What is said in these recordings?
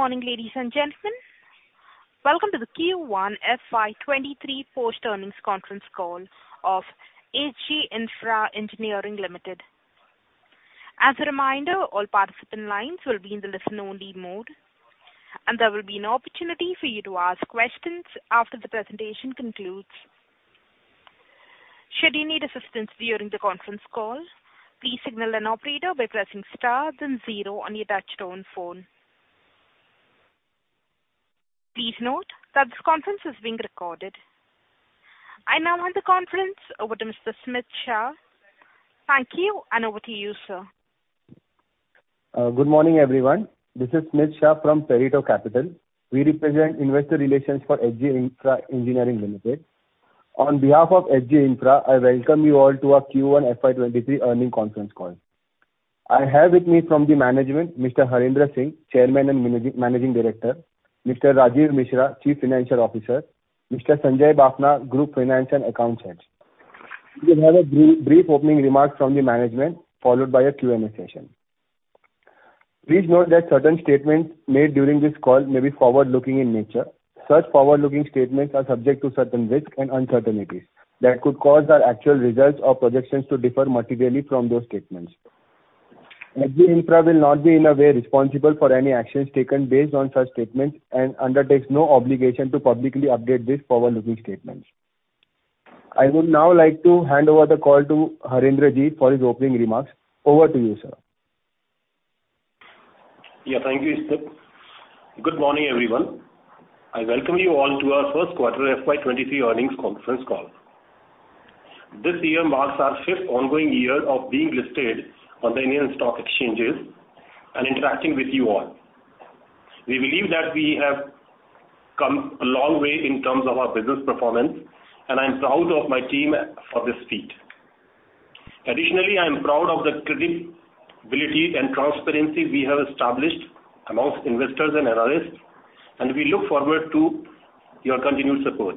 Good morning, ladies and gentlemen. Welcome to the Q1 FY 2023 post earnings conference call of H.G. Infra Engineering Limited. As a reminder, all participant lines will be in the listen-only mode, and there will be an opportunity for you to ask questions after the presentation concludes. Should you need assistance during the conference call, please signal an operator by pressing star then zero on your touchtone phone. Please note that this conference is being recorded. I now hand the conference over to Mr. Smit Shah. Thank you, and over to you, sir. Good morning, everyone. This is Smit Shah from Pareto Capital. We represent investor relations for H.G. Infra Engineering Limited. On behalf of H.G. Infra, I welcome you all to our Q1 FY23 earnings conference call. I have with me from the management, Mr. Harendra Singh, Chairman and Managing Director, Mr. Rajeev Mishra, Chief Financial Officer, Mr. Sanjay Bafna, Group Finance and Accounts Head. We will have a brief opening remarks from the management, followed by a Q&A session. Please note that certain statements made during this call may be forward-looking in nature. Such forward-looking statements are subject to certain risks and uncertainties that could cause our actual results or projections to differ materially from those statements. H.G. Infra will not be, in a way, responsible for any actions taken based on such statements and undertakes no obligation to publicly update these forward-looking statements. I would now like to hand over the call to Harendra Singh for his opening remarks. Over to you, sir. Yeah, thank you, Smit. Good morning, everyone. I welcome you all to our first quarter FY 2023 earnings conference call. This year marks our fifth ongoing year of being listed on the Indian stock exchanges and interacting with you all. We believe that we have come a long way in terms of our business performance, and I am proud of my team for this feat. Additionally, I am proud of the credibility and transparency we have established among investors and analysts, and we look forward to your continued support.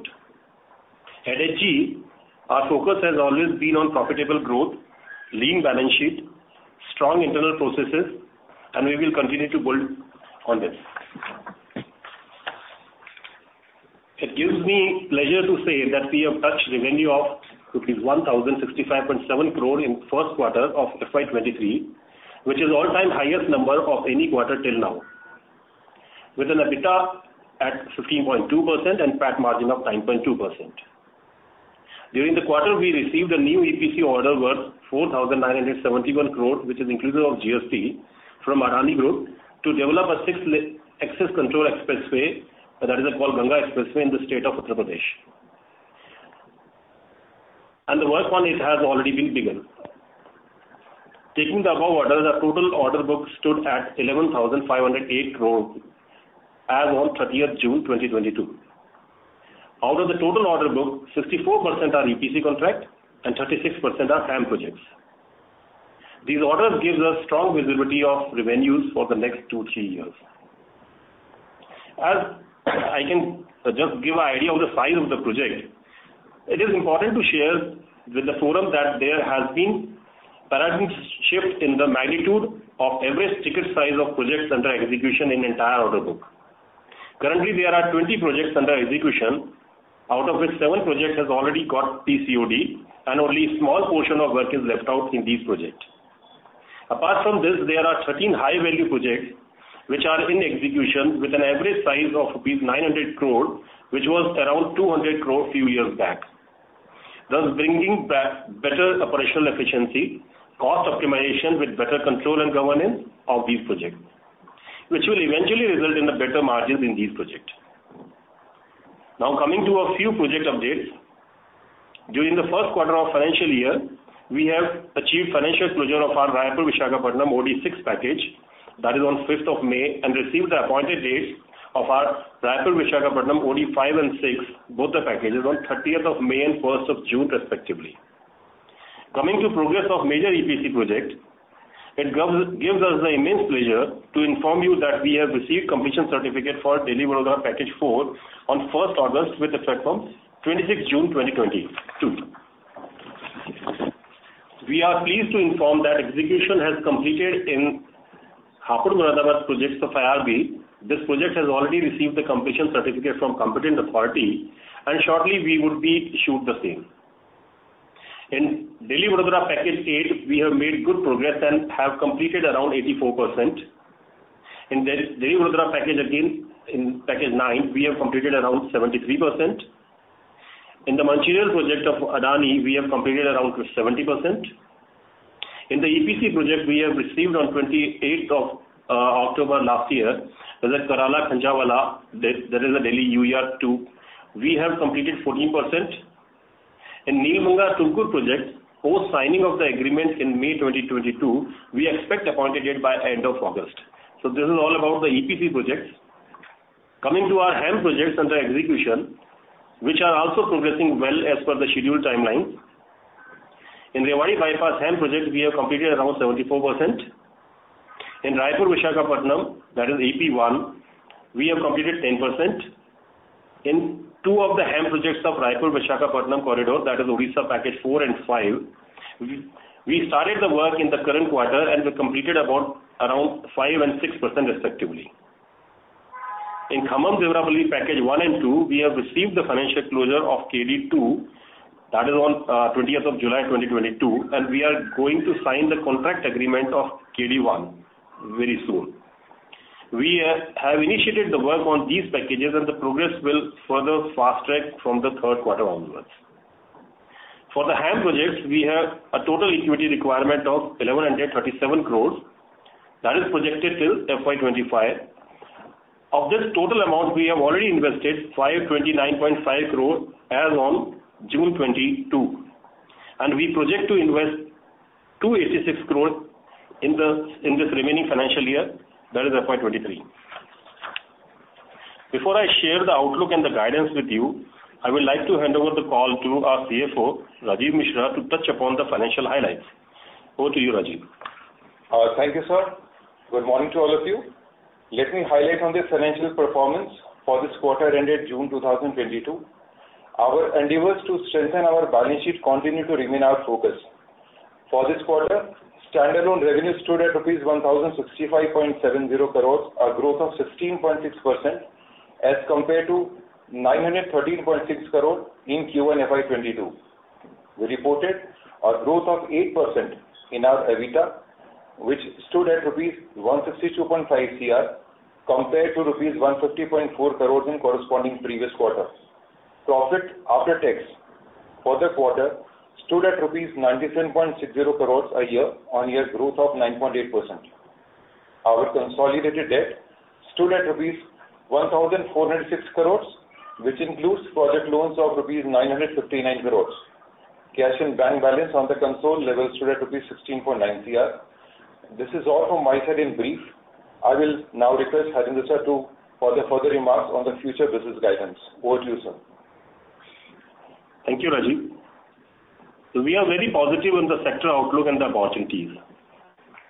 At H.G., our focus has always been on profitable growth, lean balance sheet, strong internal processes, and we will continue to build on this. It gives me pleasure to say that we have touched revenue of rupees 1,065.7 crore in first quarter of FY 2023, which is all-time highest number of any quarter till now, with an EBITDA at 15.2% and PAT margin of 9.2%. During the quarter, we received a new EPC order worth 4,971 crore, which is inclusive of GST, from Adani Group to develop a six-lane access-controlled expressway, that is the Ganga Expressway in the state of Uttar Pradesh. The work on it has already been begun. Taking the above order, the total order book stood at 11,508 crore as on June 30 2022. Out of the total order book, 64% are EPC contract and 36% are HAM projects. These orders give us strong visibility of revenues for the next two to three years. As I can just give an idea of the size of the project, it is important to share with the forum that there has been paradigm shift in the magnitude of average ticket size of projects under execution in entire order book. Currently, there are 20 projects under execution, out of which seven projects has already got PCOD, and only small portion of work is left out in these projects. Apart from this, there are 13 high-value projects which are in execution with an average size of rupees 900 crore, which was around 200 crore few years back, thus bringing better operational efficiency, cost optimization with better control and governance of these projects, which will eventually result in a better margins in these projects. Now, coming to a few project updates. During the first quarter of financial year, we have achieved financial closure of our Raipur-Visakhapatnam OD-6 package, that is on May 5, and received the appointed dates of our Raipur-Visakhapatnam OD-5 and 6, both the packages, on May 30 and June 1, respectively. Coming to progress of major EPC projects, it gives us the immense pleasure to inform you that we have received completion certificate for Delhi-Vadodara package 4 on August 1, with effect from June 26, 2022. We are pleased to inform that execution has completed in Hapur-Moradabad project of IRB. This project has already received the completion certificate from competent authority, and shortly we would be issued the same. In Delhi-Vadodara package 8, we have made good progress and have completed around 84%. In Delhi-Vadodara package again, in package 9, we have completed around 73%. In the Mancherial project of Adani, we have completed around 70%. In the EPC project, we have received on 28th of October last year, that is Karala-Kanjhawala, that is a Delhi UER-II, we have completed 14%. In Nelamangala-Tumkur project, post signing of the agreement in May 2022, we expect appointed date by end of August. So this is all about the EPC projects. Coming to our HAM projects under execution, which are also progressing well as per the scheduled timeline. In Rewari Bypass HAM project, we have completed around 74%. In Raipur-Visakhapatnam, that is AP-1, we have completed 10%. In two of the HAM projects of Raipur-Visakhapatnam corridor, that is Odisha Package 4 and 5, we started the work in the current quarter, and we completed around 5% and 6%, respectively. In Khammam-Devarapalle Package 1 and 2, we have received the financial closure of KD-2, that is on July 20th, 2022, and we are going to sign the contract agreement of KD-1 very soon. We have initiated the work on these packages, and the progress will further fast-track from the third quarter onwards. For the HAM projects, we have a total equity requirement of 1,137 crore. That is projected till FY 2025. Of this total amount, we have already invested 529.5 crore as on June 2022, and we project to invest 286 crore in this remaining financial year, that is FY 2023. Before I share the outlook and the guidance with you, I would like to hand over the call to our CFO, Rajeev Mishra, to touch upon the financial highlights. Over to you, Rajeev. Thank you, sir. Good morning to all of you. Let me highlight on the financial performance for this quarter that ended June 2022. Our endeavors to strengthen our balance sheet continue to remain our focus. For this quarter, standalone revenue stood at rupees 1,065.70 crore, a growth of 16.6%, as compared to 913.6 crore in Q1 FY 2022. We reported a growth of 8% in our EBITDA, which stood at INR 162.5 crore, compared to INR 150.4 crore in corresponding previous quarters. Profit after tax for this quarter stood at 97.60 crore rupees, a year-on-year growth of 9.8%. Our consolidated debt stood at rupees 1,406 crore, which includes project loans of rupees 959 crore. Cash and bank balance on the consolidated level stood at 16.9 crore. This is all from my side in brief. I will now request Harendra sir to for the further remarks on the future business guidance. Over to you, sir. Thank you, Rajeev. We are very positive on the sector outlook and the opportunities.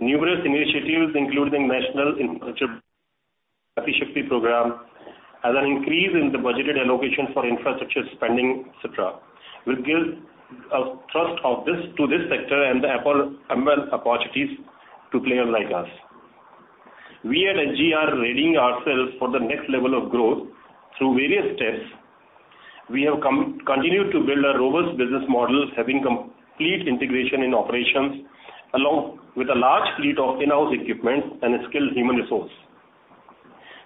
Numerous initiatives, including National Infrastructure Pipeline Program, and an increase in the budgeted allocation for infrastructure spending, et cetera, will give trust of this, to this sector and offer ample opportunities to players like us. We at H.G. are readying ourselves for the next level of growth through various steps. We have continued to build a robust business model, having complete integration in operations, along with a large fleet of in-house equipment and a skilled human resource.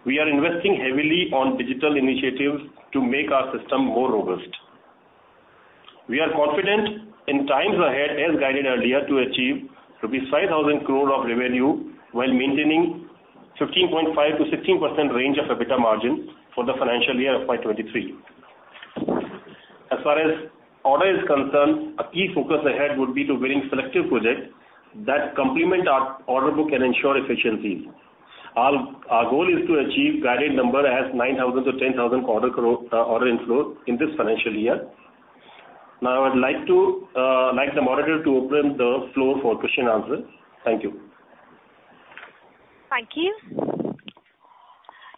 We are investing heavily on digital initiatives to make our system more robust. We are confident in times ahead, as guided earlier, to achieve rupees 5,000 crore of revenue while maintaining 15.5%-16% range of EBITDA margin for the financial year FY 2023. As far as order is concerned, a key focus ahead would be to winning selective projects that complement our order book and ensure efficiency. Our goal is to achieve guided number as 9,000 crore-10,000 crore order inflows in this financial year. Now, I'd like to like the moderator to open the floor for question and answers. Thank you. Thank you.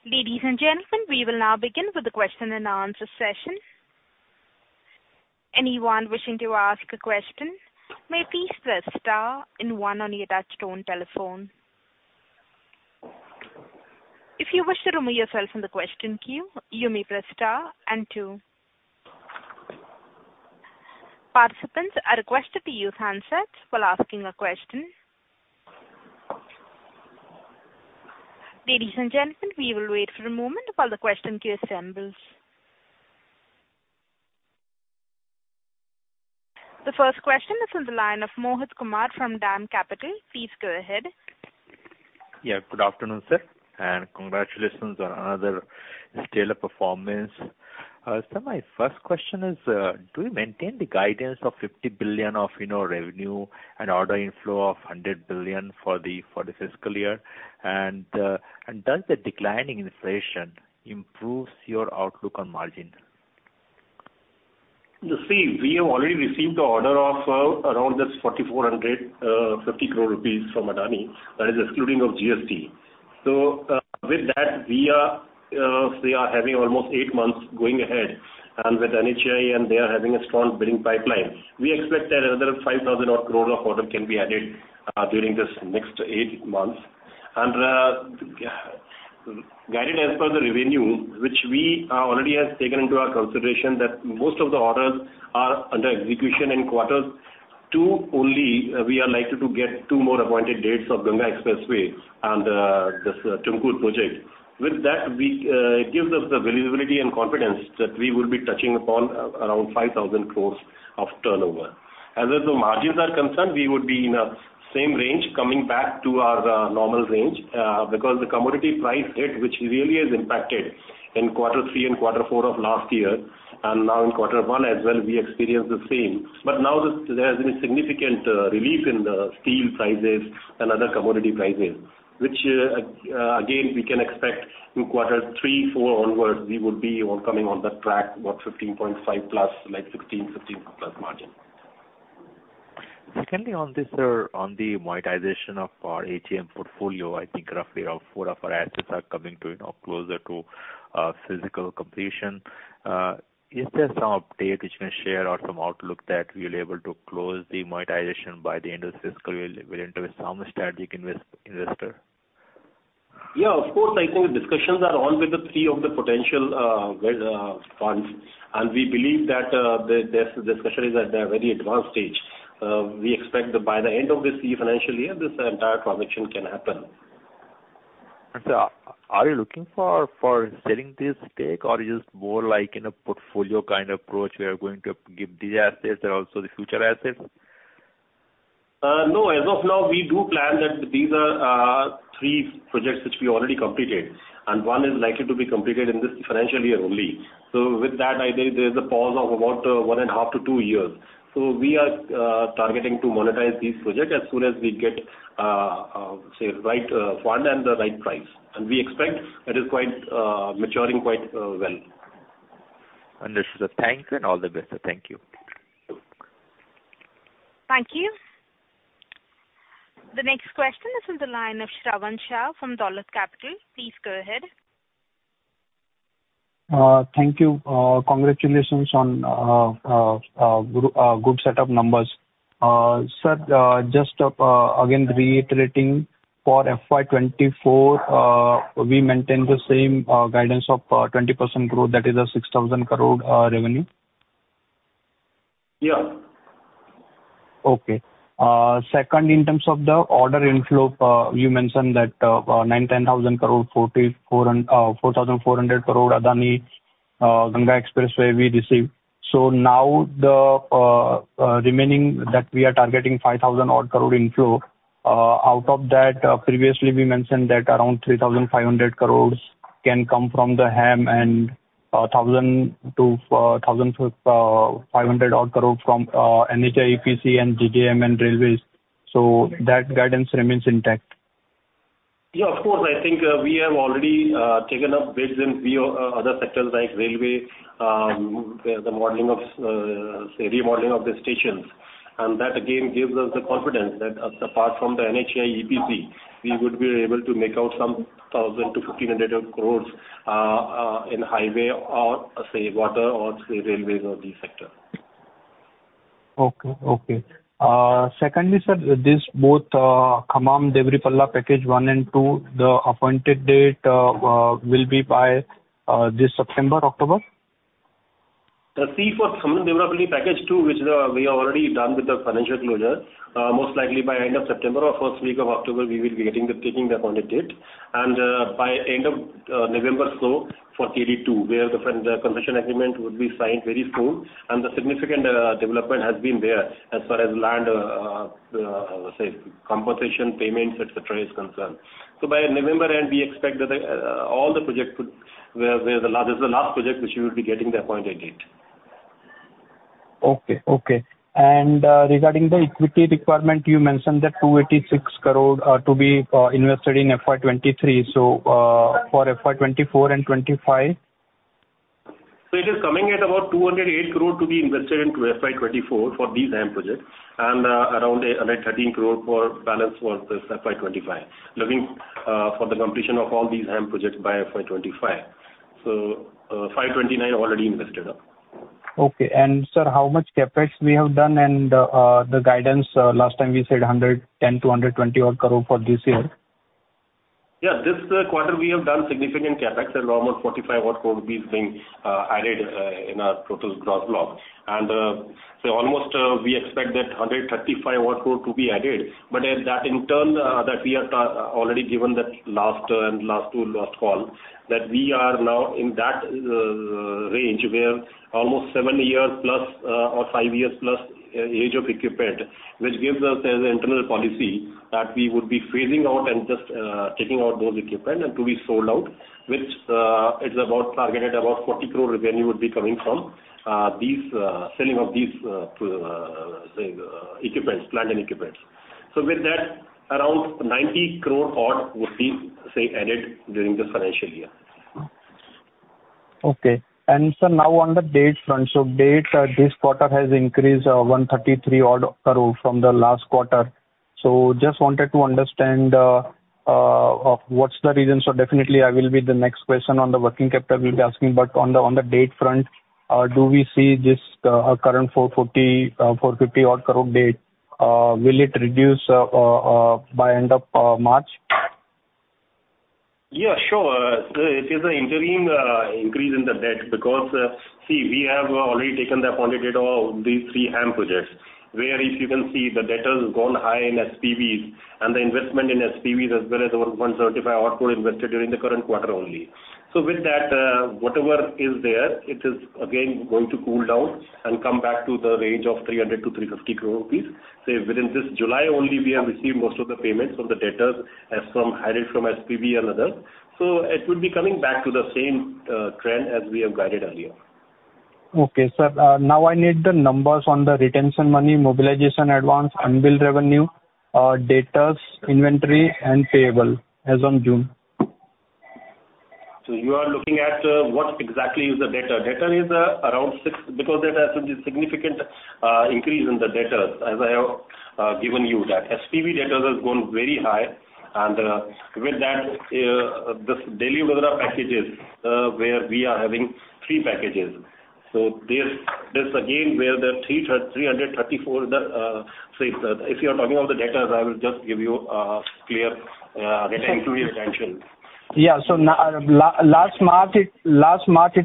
Ladies and gentlemen, we will now begin with the question and answer session. Anyone wishing to ask a question, may please press star and one on your touchtone telephone. If you wish to remove yourself from the question queue, you may press star and two. Participants are requested to use handsets while asking a question. Ladies and gentlemen, we will wait for a moment while the question queue assembles. The first question is on the line of Mohit Kumar from DAM Capital. Please go ahead. Yeah, good afternoon, sir, and congratulations on another stellar performance. So my first question is, do you maintain the guidance of 50 billion of, you know, revenue and order inflow of 100 billion for the, for the fiscal year? And, and does the declining inflation improves your outlook on margin? You see, we have already received the order of around 4,450 crore rupees from Adani. That is excluding of GST. So, with that, we are having almost eight months going ahead, and with NHAI, and they are having a strong billing pipeline. We expect that another 5,000 crore of order can be added during this next eight months. And, guided as per the revenue, which we already have taken into our consideration, that most of the orders are under execution in quarter two only, we are likely to get two more appointed dates of Ganga Expressway and this Chanaka-Korata project. With that, it gives us the visibility and confidence that we will be touching upon around 5,000 crore of turnover. As the margins are concerned, we would be in a same range, coming back to our normal range, because the commodity price hit, which really has impacted in quarter three and quarter four of last year, and now in quarter one as well, we experienced the same. But now, there has been a significant relief in the steel prices and other commodity prices, which again, we can expect in quarter three, four onwards, we would be coming on the track, about 15.5+, like 16, 15+ margin. Secondly, on this, sir, on the monetization of our ATM portfolio, I think roughly around four of our assets are coming to, you know, closer to physical completion. Is there some update which you can share or some outlook that we'll able to close the monetization by the end of this fiscal year with some strategic investor? Yeah, of course. I think the discussions are on with the three potential funds, and we believe that this discussion is at a very advanced stage. We expect that by the end of this financial year, this entire transaction can happen. Sir, are you looking for selling this stake, or is this more like in a portfolio kind approach, we are going to give these assets and also the future assets? No, as of now, we do plan that these are three projects which we already completed, and one is likely to be completed in this financial year only. So with that, I think there's a pause of about one and a half to two years. So we are targeting to monetize these projects as soon as we get say right fund and the right price. And we expect it is quite maturing quite well. Understood, sir. Thanks and all the best, sir. Thank you. Thank you. The next question is on the line of Shravan Shah from Dolat Capital. Please go ahead. Thank you. Congratulations on good set of numbers. Sir, just again, reiterating for FY 2024, we maintain the same guidance of 20% growth, that is 6,000 crore revenue? Yeah. Okay. Second, in terms of the order inflow, you mentioned that 9,000 crore-10,000 crore, 4,400 crore Adani Ganga Expressway we received. So now the remaining that we are targeting 5,000 odd crore inflow, out of that, previously we mentioned that around 3,500 crores can come from the HAM and 1,000-1,500 odd crore from NHAI, EPC and JJM and Railways. So that guidance remains intact? Yeah, of course. I think, we have already taken up bids in few other sectors like railway, where the modeling of, say, remodeling of the stations. And that, again, gives us the confidence that apart from the NHAI EPC, we would be able to make out some 1,000 crore-1,500 crore in highway or, say, water or, say, railways or these sectors. Okay, okay. Secondly, sir, this both, Khammam-Devarapalle package 1 and 2, the Appointed Date, will be by this September, October? So, for Khammam-Devarapalle Package 2, which we are already done with the financial closure, most likely by end of September or first week of October, we will be getting the appointed date. By end of November, so for KD-2, where the concession agreement would be signed very soon, and the significant development has been there as far as land, say, compensation, payments, et cetera, is concerned. So by November end, we expect that all the projects would, where this is the last project which we will be getting the appointed date. Okay, okay. And, regarding the equity requirement, you mentioned that 286 crore are to be invested in FY 2023. So, for FY 2024 and 2025? So it is coming at about 208 crore to be invested into FY 2024 for these HAM projects, and around another 13 crore for balance for this FY 2025. Looking for the completion of all these HAM projects by FY 2025. So, 529 already invested up. Okay. And sir, how much CapEx we have done and, the guidance, last time you said 110-120-odd crore for this year? Yeah, this quarter we have done significant CapEx around 45 crore rupees being added in our total gross block. And so almost we expect that 135 crore to be added, but that in turn that we have already given that last, last two, last call, that we are now in that range, where almost seven years+ or five years+ age of equipment, which gives us as an internal policy, that we would be phasing out and just taking out those equipment and to be sold out, which it's about targeted about 40 crore revenue would be coming from these selling of these say equipments, plant and equipments. So with that, around 90 crore would be say added during this financial year. Okay. Sir, now on the debt front. Debt this quarter has increased 133 odd crore from the last quarter. Just wanted to understand of what's the reason. Definitely I will be the next question on the working capital will be asking, but on the debt front, do we see this current 440-450 odd crore debt will it reduce by end of March? Yeah, sure. It is an interim increase in the debt because, see, we have already taken the appointed date of these three HAM projects, where if you can see, the debtors have gone high in SPVs, and the investment in SPVs as well as over 135 odd crore invested during the current quarter only. So with that, whatever is there, it is again going to cool down and come back to the range of 300 crore-350 crore rupees. Say, within this July only, we have received most of the payments from the debtors as frm NHAI from SPV and other. So it would be coming back to the same trend as we have guided earlier. Okay, sir. Now I need the numbers on the retention money, mobilization advance, unbilled revenue, debtors, inventory, and payable as on June. So you are looking at, what exactly is the data? Data is around six, because there has been significant increase in the debtors, as I have given you that. SPV debtors has gone very high, and with that, this daily packages, where we are having three packages. So this, this again, where the 334, the, so if you are talking of the debtors, I will just give you a clear retention to your attention. Yeah. So last March, it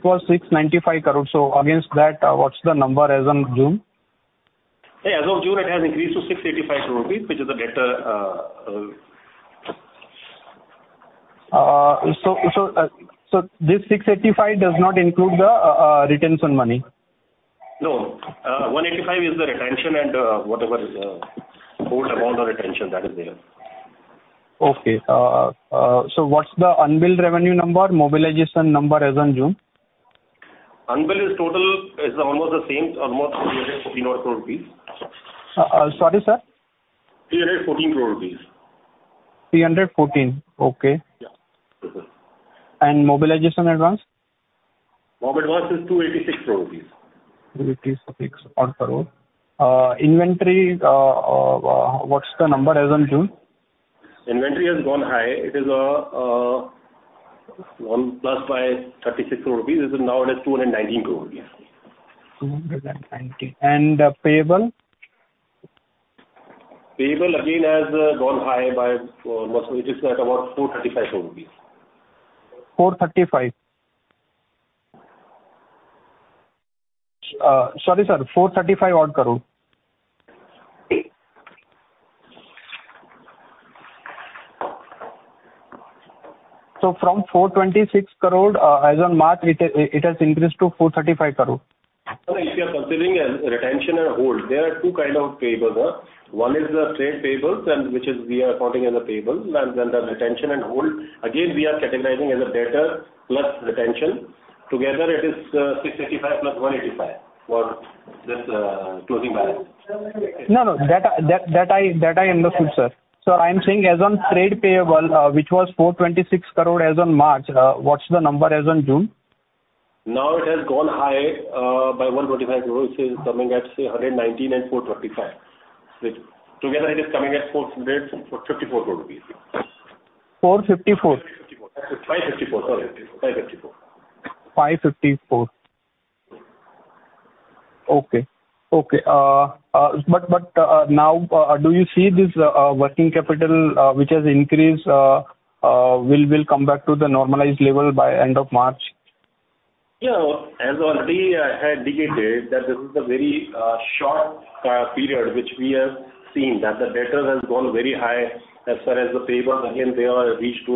was 695 crores. So against that, what's the number as on June? As of June, it has increased to 685 rupees, which is the data. So, this 685 does not include the retention money? No. 185 is the retention and whatever is hold amount or retention that is there. Okay. So what's the unbilled revenue number, mobilization number as on June? Unbilled is total, is almost the same, almost 314 crore rupees. Sorry, sir? 314 crore rupees. 314. Okay. Yeah. Mobilization Advance? Mobilization Advance is 286 crore rupees. 286 odd crore. Inventory, what's the number as on June? Inventory has gone high. It is up by INR 36 crore. It is nowadays INR 219 crore. 219. And, payable? Payable again has gone high by almost it is at about 435 crore rupees. 435. Sorry, sir, 435 odd crore? Eight. So from 426 crore, as on March, it has increased to 435 crore. No, if you are considering as retention and hold, there are two kind of payables. One is the trade payables, and which is we are accounting as a payable, and then the retention and hold. Again, we are categorizing as a debtor plus retention. Together, it is, 685 + 185 for this, closing balance. No, no, that I understand, sir. So I'm saying as on trade payable, which was 426 crore as on March, what's the number as on June? Now it has gone high by 125 crore, which is coming at, say, 119 and 435. Which together it is coming at 400, 454 crore rupees. Four fifty-four. 5:54, sorry. 5:54. Five fifty-four. Okay. Okay, but now, do you see this working capital, which has increased, will come back to the normalized level by end of March? Yeah, as already I had indicated, that this is a very short period which we have seen, that the debtors has gone very high. As far as the payable, again, they all reached to.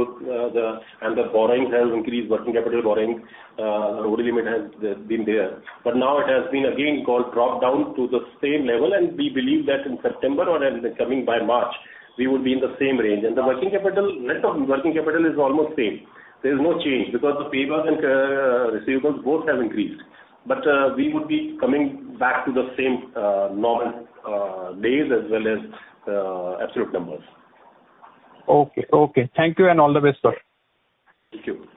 And the borrowing has increased, working capital borrowing, overall limit has been there. But now it has been again called drop down to the same level, and we believe that in September or in the coming by March, we would be in the same range. And the working capital, net of working capital is almost same. There is no change, because the payables and receivables both have increased. But we would be coming back to the same normal days as well as absolute numbers. Okay. Okay. Thank you, and all the best, sir. Thank you.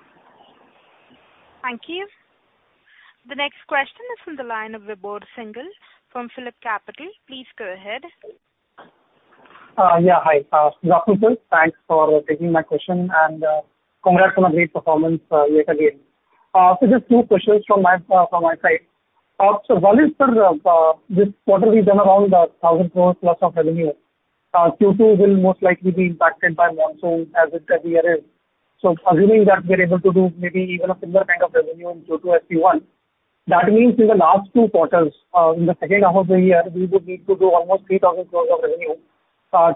Thank you. The next question is from the line of Vibhor Singhal from PhillipCapital. Please go ahead. Yeah, hi. Good afternoon, sir. Thanks for taking my question, and congrats on a great performance yet again. So just two questions from my side. So one is, sir, this quarter, we've done around 1,000 crore plus of revenue. Q2 will most likely be impacted by monsoon, as it every year is. So assuming that we're able to do maybe even a similar kind of revenue in Q2 as Q1, that means in the last two quarters, in the second half of the year, we would need to do almost 3,000 crore of revenue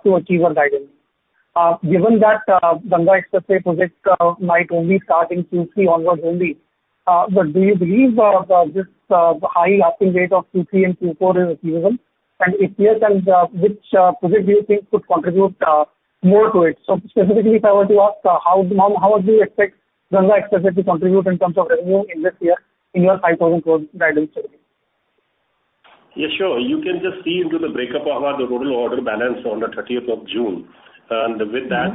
to achieve our guidance. Given that, Ganga Expressway project might only start in Q3 onwards only, but do you believe this high lasting rate of Q3 and Q4 is achievable? And if yes, which project do you think could contribute more to it? So specifically, if I were to ask, how would you expect Ganga Expressway to contribute in terms of revenue in this year, in your 5,000 crore guidance, sir? Yes, sure. You can just see into the breakup of our, the total order balance on the thirtieth of June. And with that,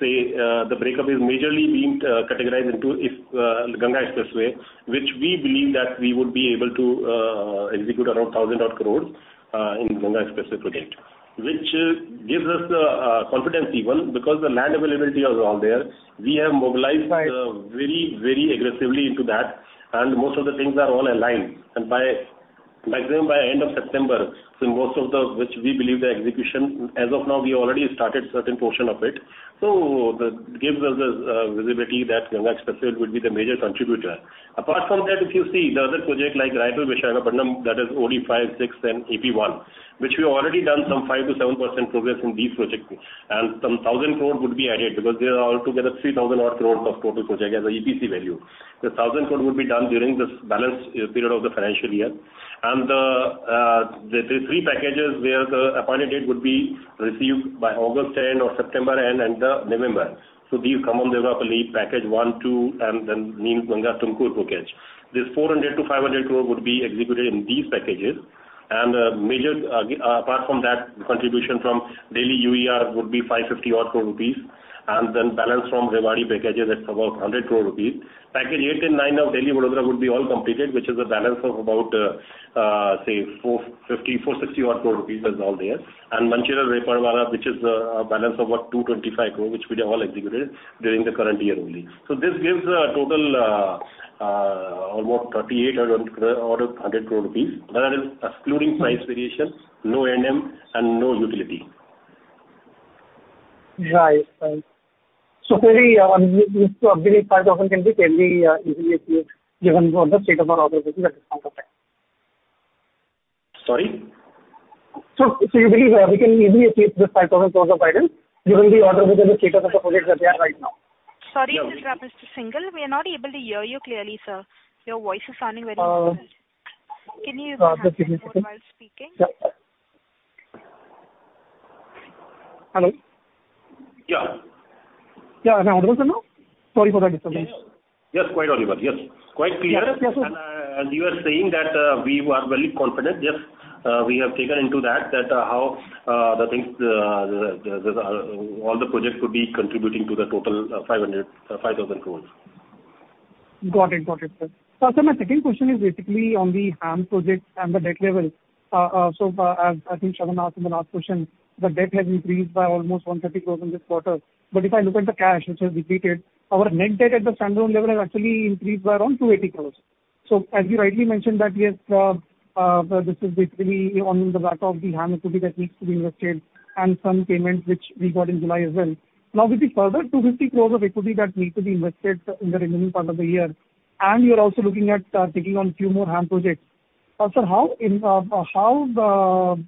say, the breakup is majorly being categorized into the Ganga Expressway, which we believe that we would be able to execute around 1,000 crore in Ganga Expressway project. Which gives us the confidence even, because the land availability is all there. We have mobilized very, very aggressively into that, and most of the things are all aligned. And by, maximum by end of September, so most of the, which we believe the execution, as of now, we already started certain portion of it. So that gives us the visibility that Ganga Expressway would be the major contributor. Apart from that, if you see the other project like Raipur-Visakhapatnam, that is only 5, 6, and AP-1, which we've already done some 5%-7% progress in these projects. Some 1,000 crore would be added, because they are all together 3,000-odd crores of total project as an EPC value. The 1,000 crore would be done during this balance period of the financial year. The three packages where the appointed date would be received by August end or September end, and November. So these Khammam-Devarapalle packages 1, 2, and then Nelamangala-Tumkur package. This 400 crore-500 crore would be executed in these packages. And major apart from that, contribution from Delhi UER would be 550 crore rupees, and then balance from Rewari packages, it's about 100 crore rupees. Packages 8 and 9 of Delhi-Gurugram would be all completed, which is a balance of about, say, 450-460 crore rupees. And Mancherial, Rewari, which is a balance of what, 225 crore, which we have all executed during the current year only. So this gives a total, about 3,800 crore rupees, that is excluding price variations, no O&M, and no utility. Right, right. So, in theory, so roughly 5,000 can be clearly, easily achieved, given the order status of our projects that are coming? Sorry? So, you believe we can easily achieve this 5,000 crore of items, given the order with the status of the projects that they are right now? Sorry to interrupt, Mr. Singhal. We are not able to hear you clearly, sir. Your voice is sounding very low. Uh. Can you use the hands-free mode while speaking? Yeah. Hello? Yeah. Yeah, am I audible now? Sorry for the disturbance. Yes, quite audible. Yes, quite clear. Yes, yes, sir. As you were saying that we are very confident, yes, we have taken into that, that how the things, the, all the projects could be contributing to the total 5,000 crore. Got it. Got it, sir. So sir, my second question is basically on the HAM projects and the debt level. As I think Shravan asked in the last question, the debt has increased by almost 130 crore in this quarter. But if I look at the cash, which has decreased, our net debt at the standalone level has actually increased by around 280 crore. So as you rightly mentioned that, yes, this is basically on the back of the HAM equity that needs to be invested and some payments which we got in July as well. Now, with the further 250 crore of equity that need to be invested in the remaining part of the year, and you're also looking at taking on a few more HAM projects. Sir, how in... How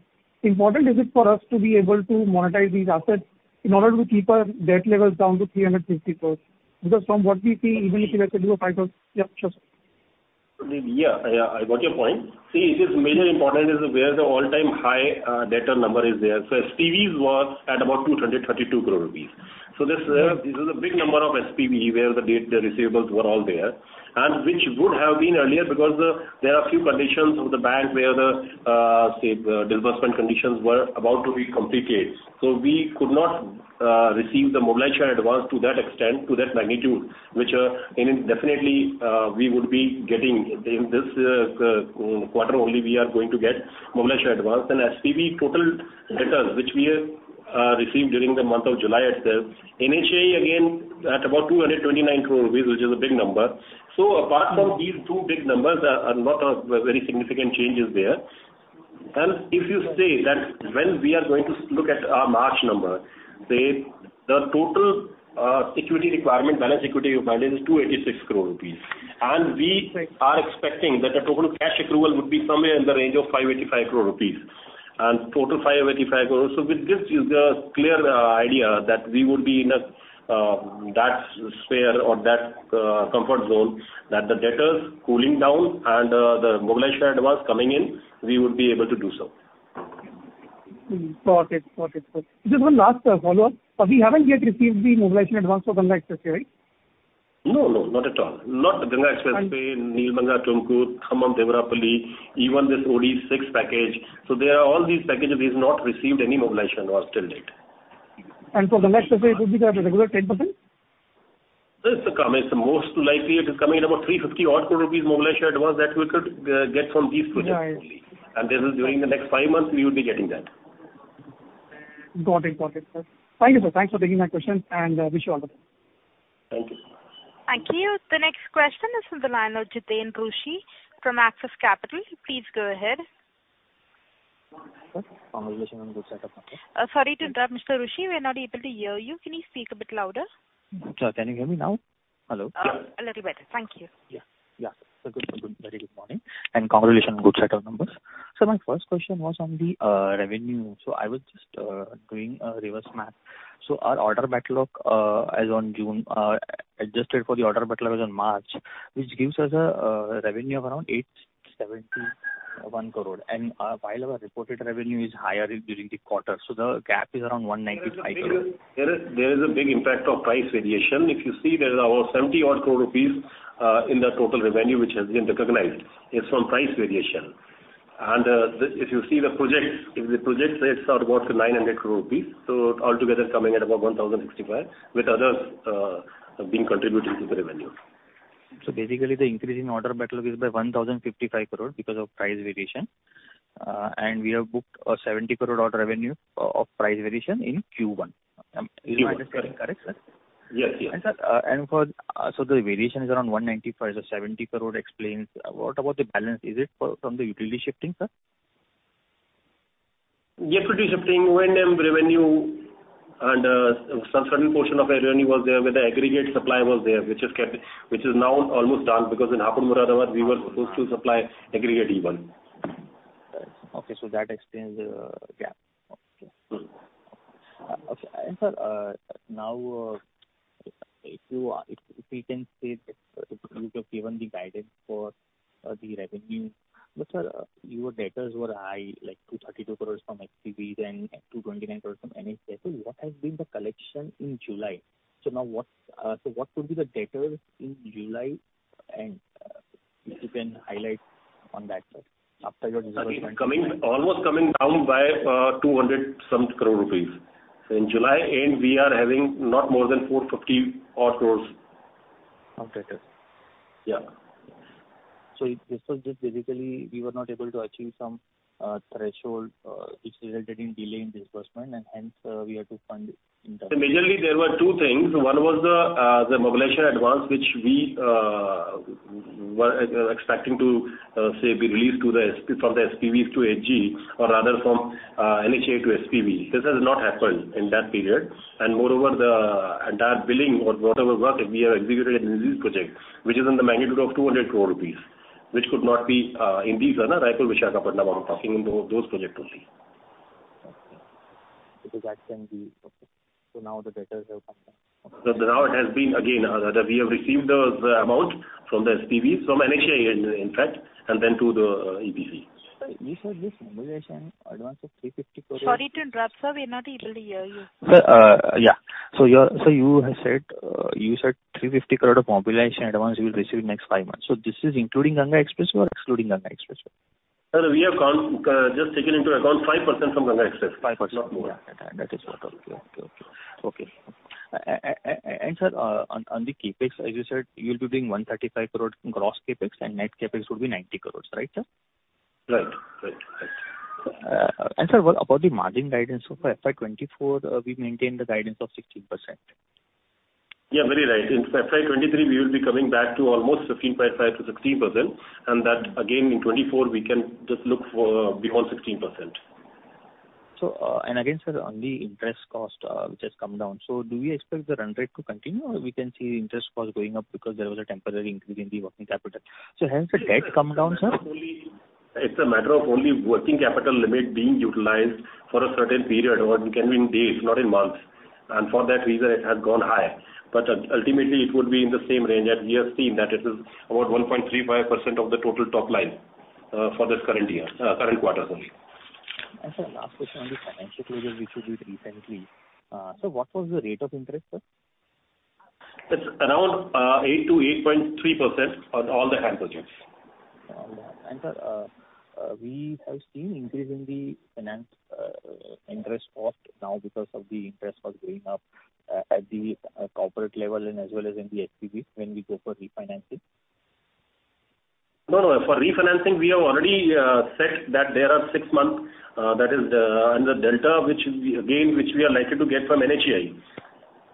important is it for us to be able to monetize these assets in order to keep our debt levels down to 350 crore? Because from what we see, even if we were to do a 5,000 crore... Yeah, sure, sir. Yeah, yeah, I got your point. See, it is major important is where the all-time high debtor number is there. So SPVs was at about 232 crore rupees. So this is a big number of SPV, where the date, the receivables were all there, and which would have been earlier, because there are a few conditions of the bank where the say, disbursement conditions were about to be completed. So we could not receive the mobilization advance to that extent, to that magnitude, which indeed, definitely we would be getting. In this quarter only, we are going to get mobilization advance and SPV total debtors, which we are received during the month of July itself. NHAI, again, at about 229 crore rupees, which is a big number. So apart from these two big numbers, there are not a very significant changes there. And if you say that when we are going to look at our March number, the, the total, equity requirement, balance equity requirement is 286 crore rupees. And we are expecting that the total cash accrual would be somewhere in the range of 585 crore rupees, and total 585 crore. So with this is a clear, idea that we would be in a, that sphere or that, comfort zone, that the debtors cooling down and, the mobilization advance coming in, we would be able to do so. Got it. Got it. Just one last follow-up. But we haven't yet received the Mobilization Advance for Ganga Expressway, right? No, no, not at all. Not the Ganga Expressway, Nelamangala-Tumkur, Khammam-Devarapalle, even this OD-6 package. So there are all these packages, we've not received any mobilization advance till date. For Ganga Expressway, it would be the regular 10%? It's coming. It's most likely it is coming at about 350 rupees odd crore mobilization advance that we could get from these projects. Right. This is during the next five months, we would be getting that. Got it. Got it, sir. Thank you, sir. Thanks for taking my questions, and wish you all the best. Thank you. Thank you. The next question is from the line of Jiten Rushi from Axis Capital. Please go ahead. Congratulations on the good set of numbers. Sorry to interrupt, Mr. Rushi, we are not able to hear you. Can you speak a bit louder? Sure. Can you hear me now? Hello. A little better. Thank you. Yeah, yeah. So good, good, very good morning, and congratulations on good set of numbers. So my first question was on the revenue. So I was just doing reverse math. So our order backlog as on June, adjusted for the order backlog as on March, which gives us a revenue of around 871 crore. And while our reported revenue is higher during the quarter, so the gap is around 195 crore. There is, there is a big impact of price variation. If you see, there is about 70 odd crore in the total revenue, which has been recognized. It's from price variation. And, if you see the projects, if the projects, they start about 900 crore rupees, so altogether coming at about 1,065, with others being contributed to the revenue. So basically, the increase in order backlog is by 1,055 crore because of price variation. And we have booked a 70 crore order revenue of price variation in Q1. Am I just getting correct, sir? Yes, yes. Sir, so the variation is around 195, so 70 crore explains. What about the balance? Is it from the utility shifting, sir? Yeah, utility shifting, when NHAI revenue and some certain portion of the revenue was there, where the aggregate supply was there, which is kept, which is now almost done, because in Hapur-Moradabad, we were supposed to supply aggregate even. Okay, so that explains the gap. Okay. Okay. And sir, now, if we can say that you have given the guidance for the revenue, but sir, your debtors were high, like 232 crore from SPVs and 229 crore from NHAI. So what has been the collection in July? So now what's so what could be the debtors in July?... and, if you can highlight on that side after your disbursement. Coming almost down by 200 crore rupees. So in July end, we are having not more than 450 crore. Okay, good. Yeah. This was just basically we were not able to achieve some threshold, which resulted in delay in disbursement, and hence we had to fund in that. Majorly, there were two things. One was the, the mobilization advance, which we, were expecting to, say, be released to the SP- from the SPVs to HE, or rather from, NHAI to SPV. This has not happened in that period, and moreover, the entire billing or whatever work that we have executed in these projects, which is in the magnitude of 200 crore rupees, which could not be, in these, Raipur Visakhapatnam, I'm talking in those projects only. Okay, so now the debtors have come in? Now it has been again that we have received the amount from the SPV, from NHAI, in fact, and then to the EPC. Sir, you said this mobilization advance of 350 crore- Sorry to interrupt, sir, we're not able to hear you. Sir, yeah. So you're, sir, you have said, you said 350 crore of mobilization advance you will receive next five months. So this is including Ganga Express or excluding Ganga Express? Sir, we have just taken into account 5% from Ganga Express. Five percent. Not more. Yeah, that is what. Okay. Okay, okay. Okay. And, sir, on the CapEx, as you said, you'll be doing 135 crore gross CapEx, and net CapEx would be 90 crore, right, sir? Right. Right, right. sir, what about the margin guidance for FY 2024? We maintained the guidance of 16%. Yeah, very right. In FY 2023, we will be coming back to almost 15.5%-16%, and that again, in 2024, we can just look for beyond 16%. So, and again, sir, on the interest cost, which has come down. So do we expect the run rate to continue, or we can see interest costs going up because there was a temporary increase in the working capital? So has the debt come down, sir? It's a matter of only working capital limit being utilized for a certain period, or it can be in days, not in months, and for that reason it has gone high. But ultimately, it would be in the same range as we have seen, that it is about 1.35% of the total top line, for this current year, current quarters only. Sir, last question on the financial closure, which you did recently. What was the rate of interest, sir? It's around 8%-8.3% on all the projects. Sir, we have seen increase in the finance, interest cost now because of the interest costs going up, at the corporate level and as well as in the SPV when we go for refinancing. No, no. For refinancing, we have already said that there are six months, that is, in the delta, which we, again, which we are likely to get from NHAI,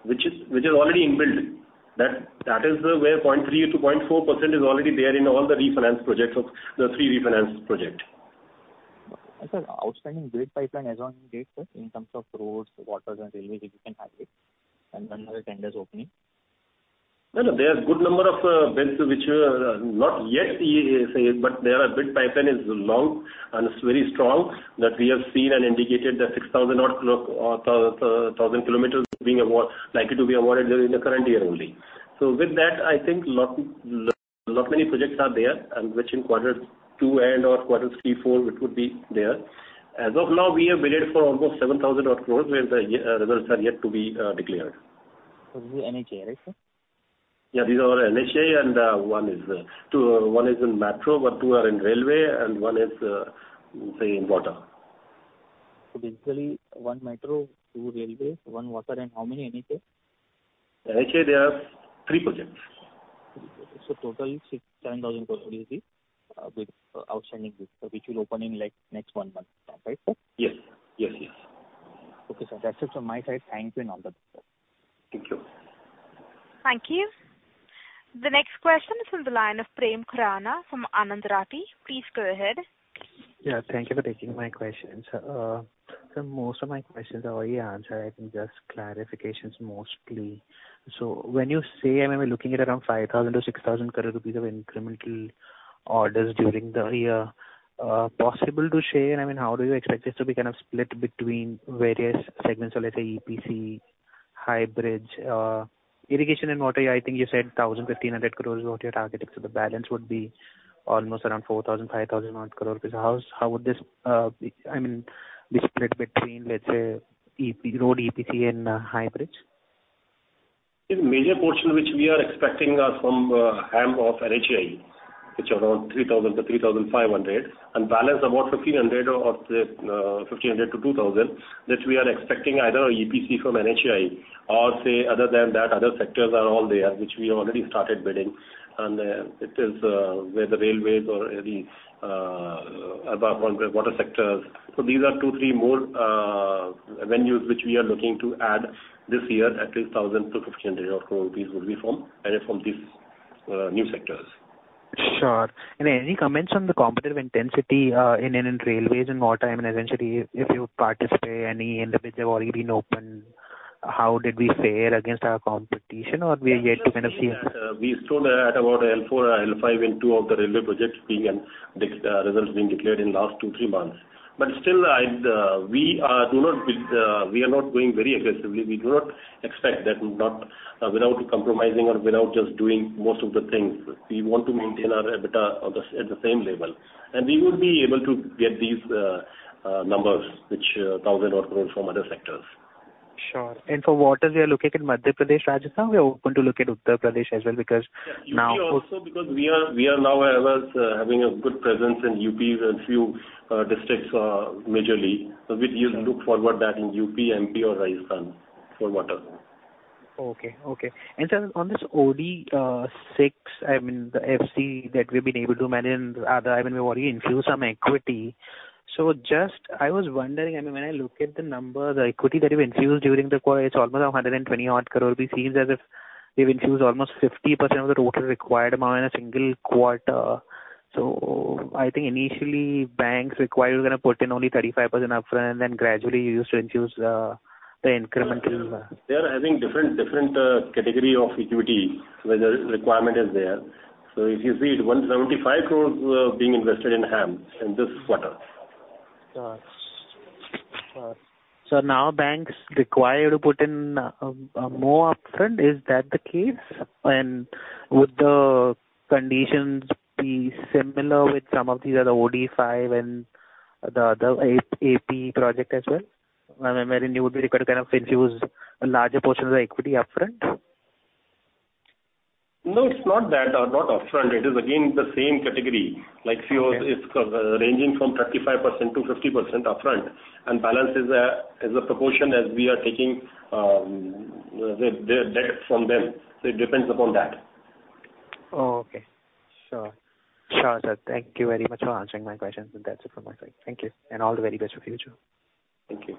which is, which is already inbuilt. That, that is where 0.3%-0.4% is already there in all the refinanced projects of the three refinanced project. Sir, outstanding bid pipeline as on date, sir, in terms of roads, waters and railways, if you can have it, and another tenders opening? No, no, there are good number of bids which are not yet safe, but there are bid pipeline is long and it's very strong, that we have seen and indicated that 6,000-odd thousand kilometers being awarded likely to be awarded in the current year only. So with that, I think lot, lot, many projects are there, and which in quarter two and/or quarter three, four, it would be there. As of now, we have bided for almost 7,000-odd crore, where the results are yet to be declared. This is NHAI, right, sir? Yeah, these are all NHAI, and one is two, one is in Metro, but two are in railway, and one is, say, in water. So basically, one Metro, two railway, one water, and how many NHAI? NHAI, there are three projects. So total is 6,000 crore-7,000 crore will be with outstanding, which will open in, like, next one month time, right, sir? Yes. Yes, yes. Okay, sir. That's it from my side. Thank you and all the best, sir. Thank you. Thank you. The next question is from the line of Prem Khurana from Anand Rathi. Please go ahead. Yeah, thank you for taking my questions. So most of my questions are already answered, I think just clarifications mostly. So when you say, and we're looking at around 5,000-6,000 crore rupees of incremental orders during the year, possible to share, I mean, how do you expect this to be kind of split between various segments of, let's say, EPC, hybrid, irrigation and water, I think you said 1,000, 1,500 crores is what you're targeting, so the balance would be almost around 4,000-5,000 odd crore. How, how would this, be, I mean, be split between, let's say, EPC road EPC and, hybrid? The major portion which we are expecting are from HAM of NHAI, which around 3,000-3,500 crore, and balance about 1,500 or 1,500-2,000 crore, which we are expecting either EPC from NHAI or say, other than that, other sectors are all there, which we already started bidding. And it is where the railways or the water sectors. So these are two, three more avenues which we are looking to add this year, at least 1,000-1,500 crore rupees will be from these new sectors. Sure. Any comments on the competitive intensity in railways and water? I mean, essentially, if you participate any and which have already been opened, how did we fare against our competition, or we are yet to kind of see? We stood at about L4 or L5 in two of the railway projects, being and the results being declared in last two to three months. But still, we do not, we are not going very aggressively. We do not expect that without compromising or without just doing most of the things. We want to maintain our EBITDA at the same level, and we would be able to get these numbers, which 1,000-odd crores from other sectors. Sure. And for waters, we are looking at Madhya Pradesh, Rajasthan. We are open to look at Uttar Pradesh as well, because now- Yeah, UP also because we are, we are now, as having a good presence in UP and few districts, majorly. So we do look forward that in UP, MP or Rajasthan for water. Okay, okay. And sir, on this OD-6, I mean, the FC that we've been able to manage, and other, I mean, we've already infused some equity. So just I was wondering, I mean, when I look at the numbers, the equity that you've infused during the quarter, it's almost 120-odd crore rupees. It seems as if you've infused almost 50% of the total required amount in a single quarter. So I think initially banks required you to put in only 35% upfront, and then gradually you used to infuse the incremental. They are having different category of equity, where the requirement is there. So if you see it, 175 crore were being invested in HAM in this quarter. Got it. Got it. So now banks require you to put in more upfront, is that the case? And would the conditions be similar with some of the other OD-5 and the other AP project as well, wherein you would be required to kind of infuse a larger portion of the equity upfront? No, it's not that, or not upfront. It is again the same category. Like few, it's ranging from 35%-50% upfront, and balance is as a proportion as we are taking the debt from them. So it depends upon that. Oh, okay. Sure. Sure, sir. Thank you very much for answering my questions. That's it from my side. Thank you, and all the very best for future. Thank you.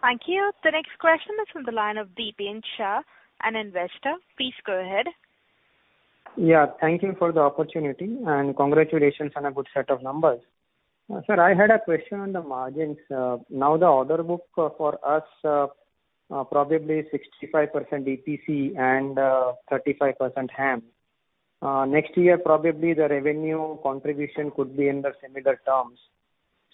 Thank you. The next question is from the line of Dipen Shah, an investor. Please go ahead. Yeah, thank you for the opportunity, and congratulations on a good set of numbers. Sir, I had a question on the margins. Now, the order book for us, probably 65% EPC and 35% HAM. Next year, probably the revenue contribution could be under similar terms.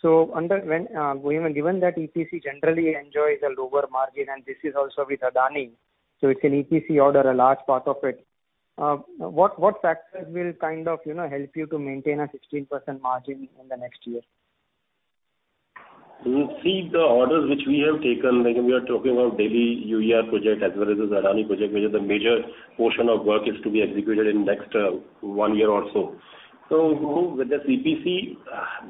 So under when, given that EPC generally enjoys a lower margin, and this is also with Adani, so it's an EPC order, a large part of it. What factors will kind of, you know, help you to maintain a 16% margin in the next year? You see, the orders which we have taken, like we are talking about Delhi UER project as well as the Adani project, which is a major portion of work is to be executed in next one year or so. So with the EPC,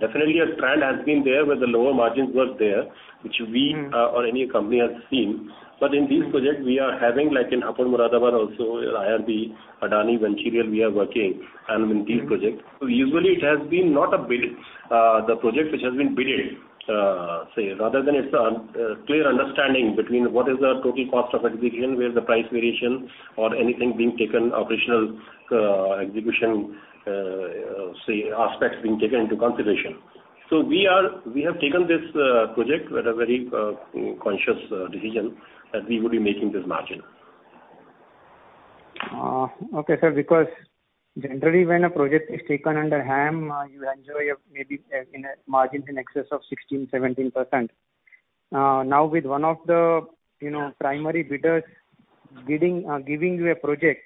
definitely a trend has been there, where the lower margins were there, which we- or any company has seen. But in this project we are having, like in Moradabad also, IRB, Adani, Mancherial, we are working and in these projects. So usually it has been not a bid, the project which has been bid, say, rather than it's a clear understanding between what is the total cost of execution, where the price variation or anything being taken, operational, execution, say, aspects being taken into consideration. So we have taken this project with a very conscious decision that we will be making this margin. Okay, sir, because generally when a project is taken under HAM, you enjoy a maybe in a margin in excess of 16, 17%. Now, with one of the, you know, primary bidders bidding, giving you a project,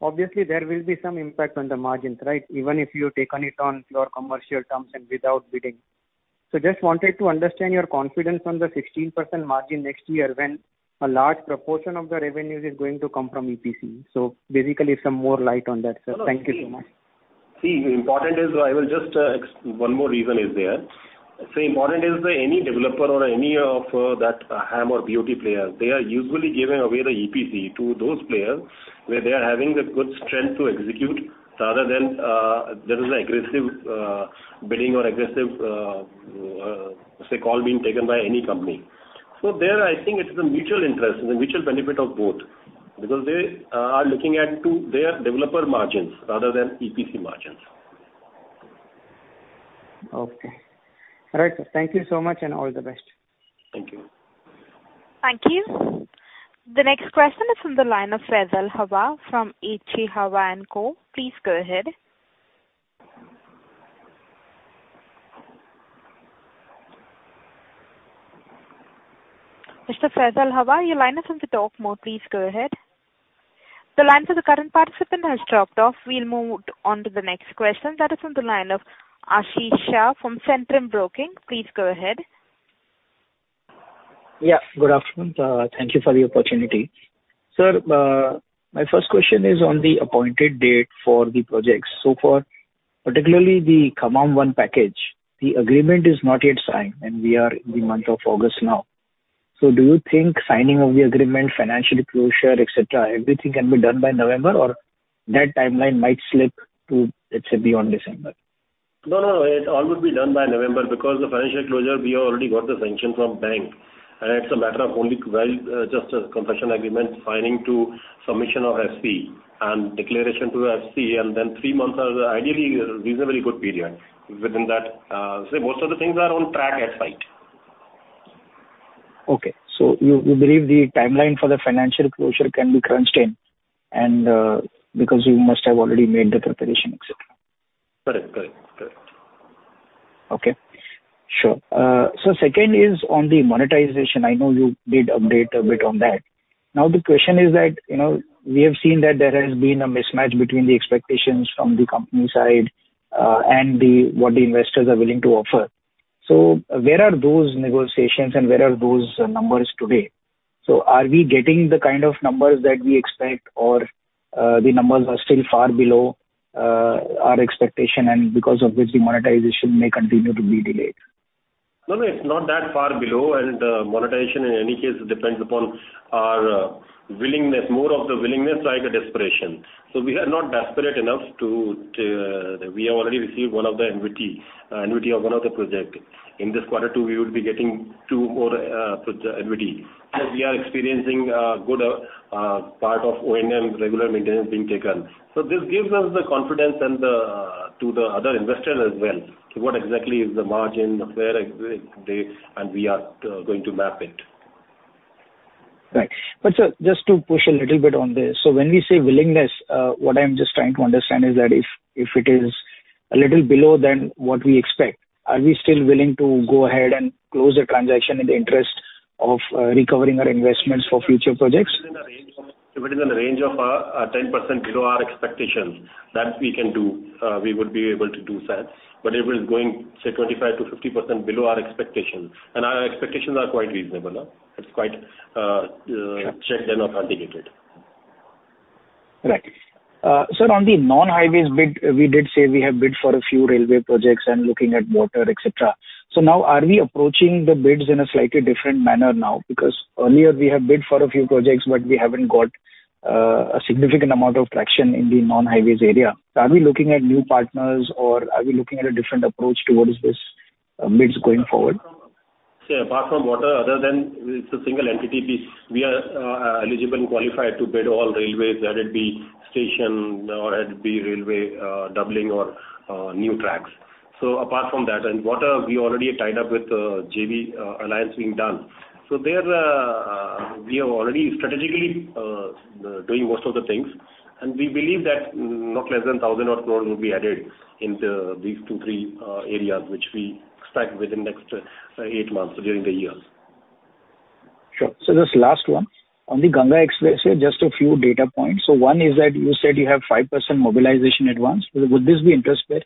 obviously there will be some impact on the margins, right? Even if you taken it on your commercial terms and without bidding. So just wanted to understand your confidence on the 16% margin next year, when a large proportion of the revenues is going to come from EPC. So basically, some more light on that, sir. Thank you so much. See, important is I will just. One more reason is there. Say, important is any developer or any of that HAM or BOT players, they are usually giving away the EPC to those players, where they are having the good strength to execute rather than there is an aggressive bidding, or aggressive, say, call being taken by any company. So there, I think it's the mutual interest and the mutual benefit of both, because they are looking at to their developer margins rather than EPC margins. Okay. All right, sir. Thank you so much, and all the best. Thank you. Thank you. The next question is from the line of Faisal Hawa from H.G. Hawa & Co. Please go ahead. Mr. Faisal Hawa, your line is on the talk mode. Please go ahead. The line for the current participant has dropped off. We'll move on to the next question. That is from the line of Ashish Shah from Centrum Broking. Please go ahead. Yeah, good afternoon. Thank you for the opportunity. Sir, my first question is on the appointed date for the projects. So for particularly the Khammam one package, the agreement is not yet signed, and we are in the month of August now. So do you think signing of the agreement, financial closure, et cetera, everything can be done by November? Or that timeline might slip to, let's say, beyond December? No, no, it all will be done by November, because the financial closure, we already got the sanction from bank, and it's a matter of only, well, just a concession agreement, signing to submission of FC and declaration to FC, and then three months are ideally a reasonably good period. Within that, so most of the things are on track at site. Okay. So you, you believe the timeline for the financial closure can be crunched in, and because you must have already made the preparation, et cetera? Correct, correct, correct. Okay, sure. So second is on the monetization. I know you did update a bit on that. Now the question is that, you know, we have seen that there has been a mismatch between the expectations from the company side, and what the investors are willing to offer. So where are those negotiations and where are those numbers today? So are we getting the kind of numbers that we expect, or the numbers are still far below our expectation, and because of which the monetization may continue to be delayed? No, no, it's not that far below, and monetization, in any case, depends upon our willingness, more of the willingness or the desperation. So we are not desperate enough to to— We have already received one of the annuity, annuity of another project. In this quarter two, we will be getting two more, project annuity. We are experiencing good part of O&M, regular maintenance being taken. So this gives us the confidence and the to the other investor as well, to what exactly is the margin, where they, and we are going to map it. Right. But, sir, just to push a little bit on this. So when we say willingness, what I'm just trying to understand is that if, if it is a little below than what we expect, are we still willing to go ahead and close the transaction in the interest of, recovering our investments for future projects? If it is in the range of 10% below our expectations, that we can do. We would be able to do that. But if it is going, say, 25%-50% below our expectations, and our expectations are quite reasonable, no? It's quite checked and authenticated. Right. Sir, on the non-highways bid, we did say we have bid for a few railway projects and looking at water, et cetera. So now, are we approaching the bids in a slightly different manner now? Because earlier we have bid for a few projects, but we haven't got a significant amount of traction in the non-highways area. Are we looking at new partners, or are we looking at a different approach towards this bids going forward? Say, apart from water, other than it's a single entity basis, we are eligible and qualified to bid all railways, whether it be station or it be railway doubling or new tracks. So apart from that, and water, we already tied up with JV, alliance being done. So there, we have already strategically doing most of the things, and we believe that not less than 1,000 crore will be added into these two, three areas, which we expect within next eight months during the year. Sure. So just last one. On the Ganga Expressway, just a few data points. So one is that you said you have 5% mobilization at once. Would this be interest paid?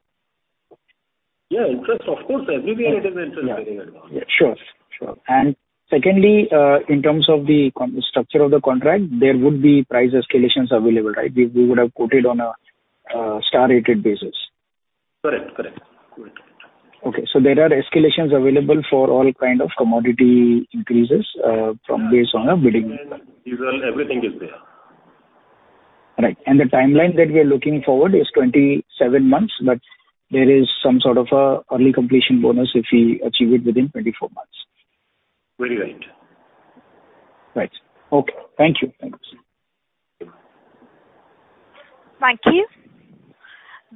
Yeah, interest, of course. Everywhere it is interest paying advance. Yeah, sure. Sure. And secondly, in terms of the structure of the contract, there would be price escalations available, right? We, we would have quoted on a star-rated basis. Correct, correct. Correct. Okay, so there are escalations available for all kind of commodity increases, from based on a bidding? Diesel, everything is there. Right. And the timeline that we are looking forward is 27 months, but there is some sort of an early completion bonus if we achieve it within 24 months. Very right. Right. Okay. Thank you. Thanks. Thank you.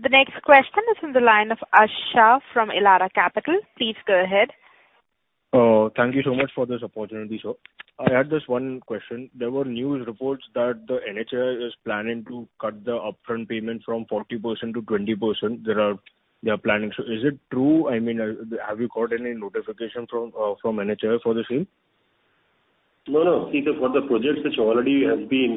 The next question is on the line of Ankita Shah from Elara Capital. Please go ahead. Thank you so much for this opportunity, sir. I had just one question. There were news reports that the NHAI is planning to cut the upfront payment from 40% to 20%. They are planning. So is it true? I mean, have you got any notification from NHAI for the same? No, no. See, for the projects which already has been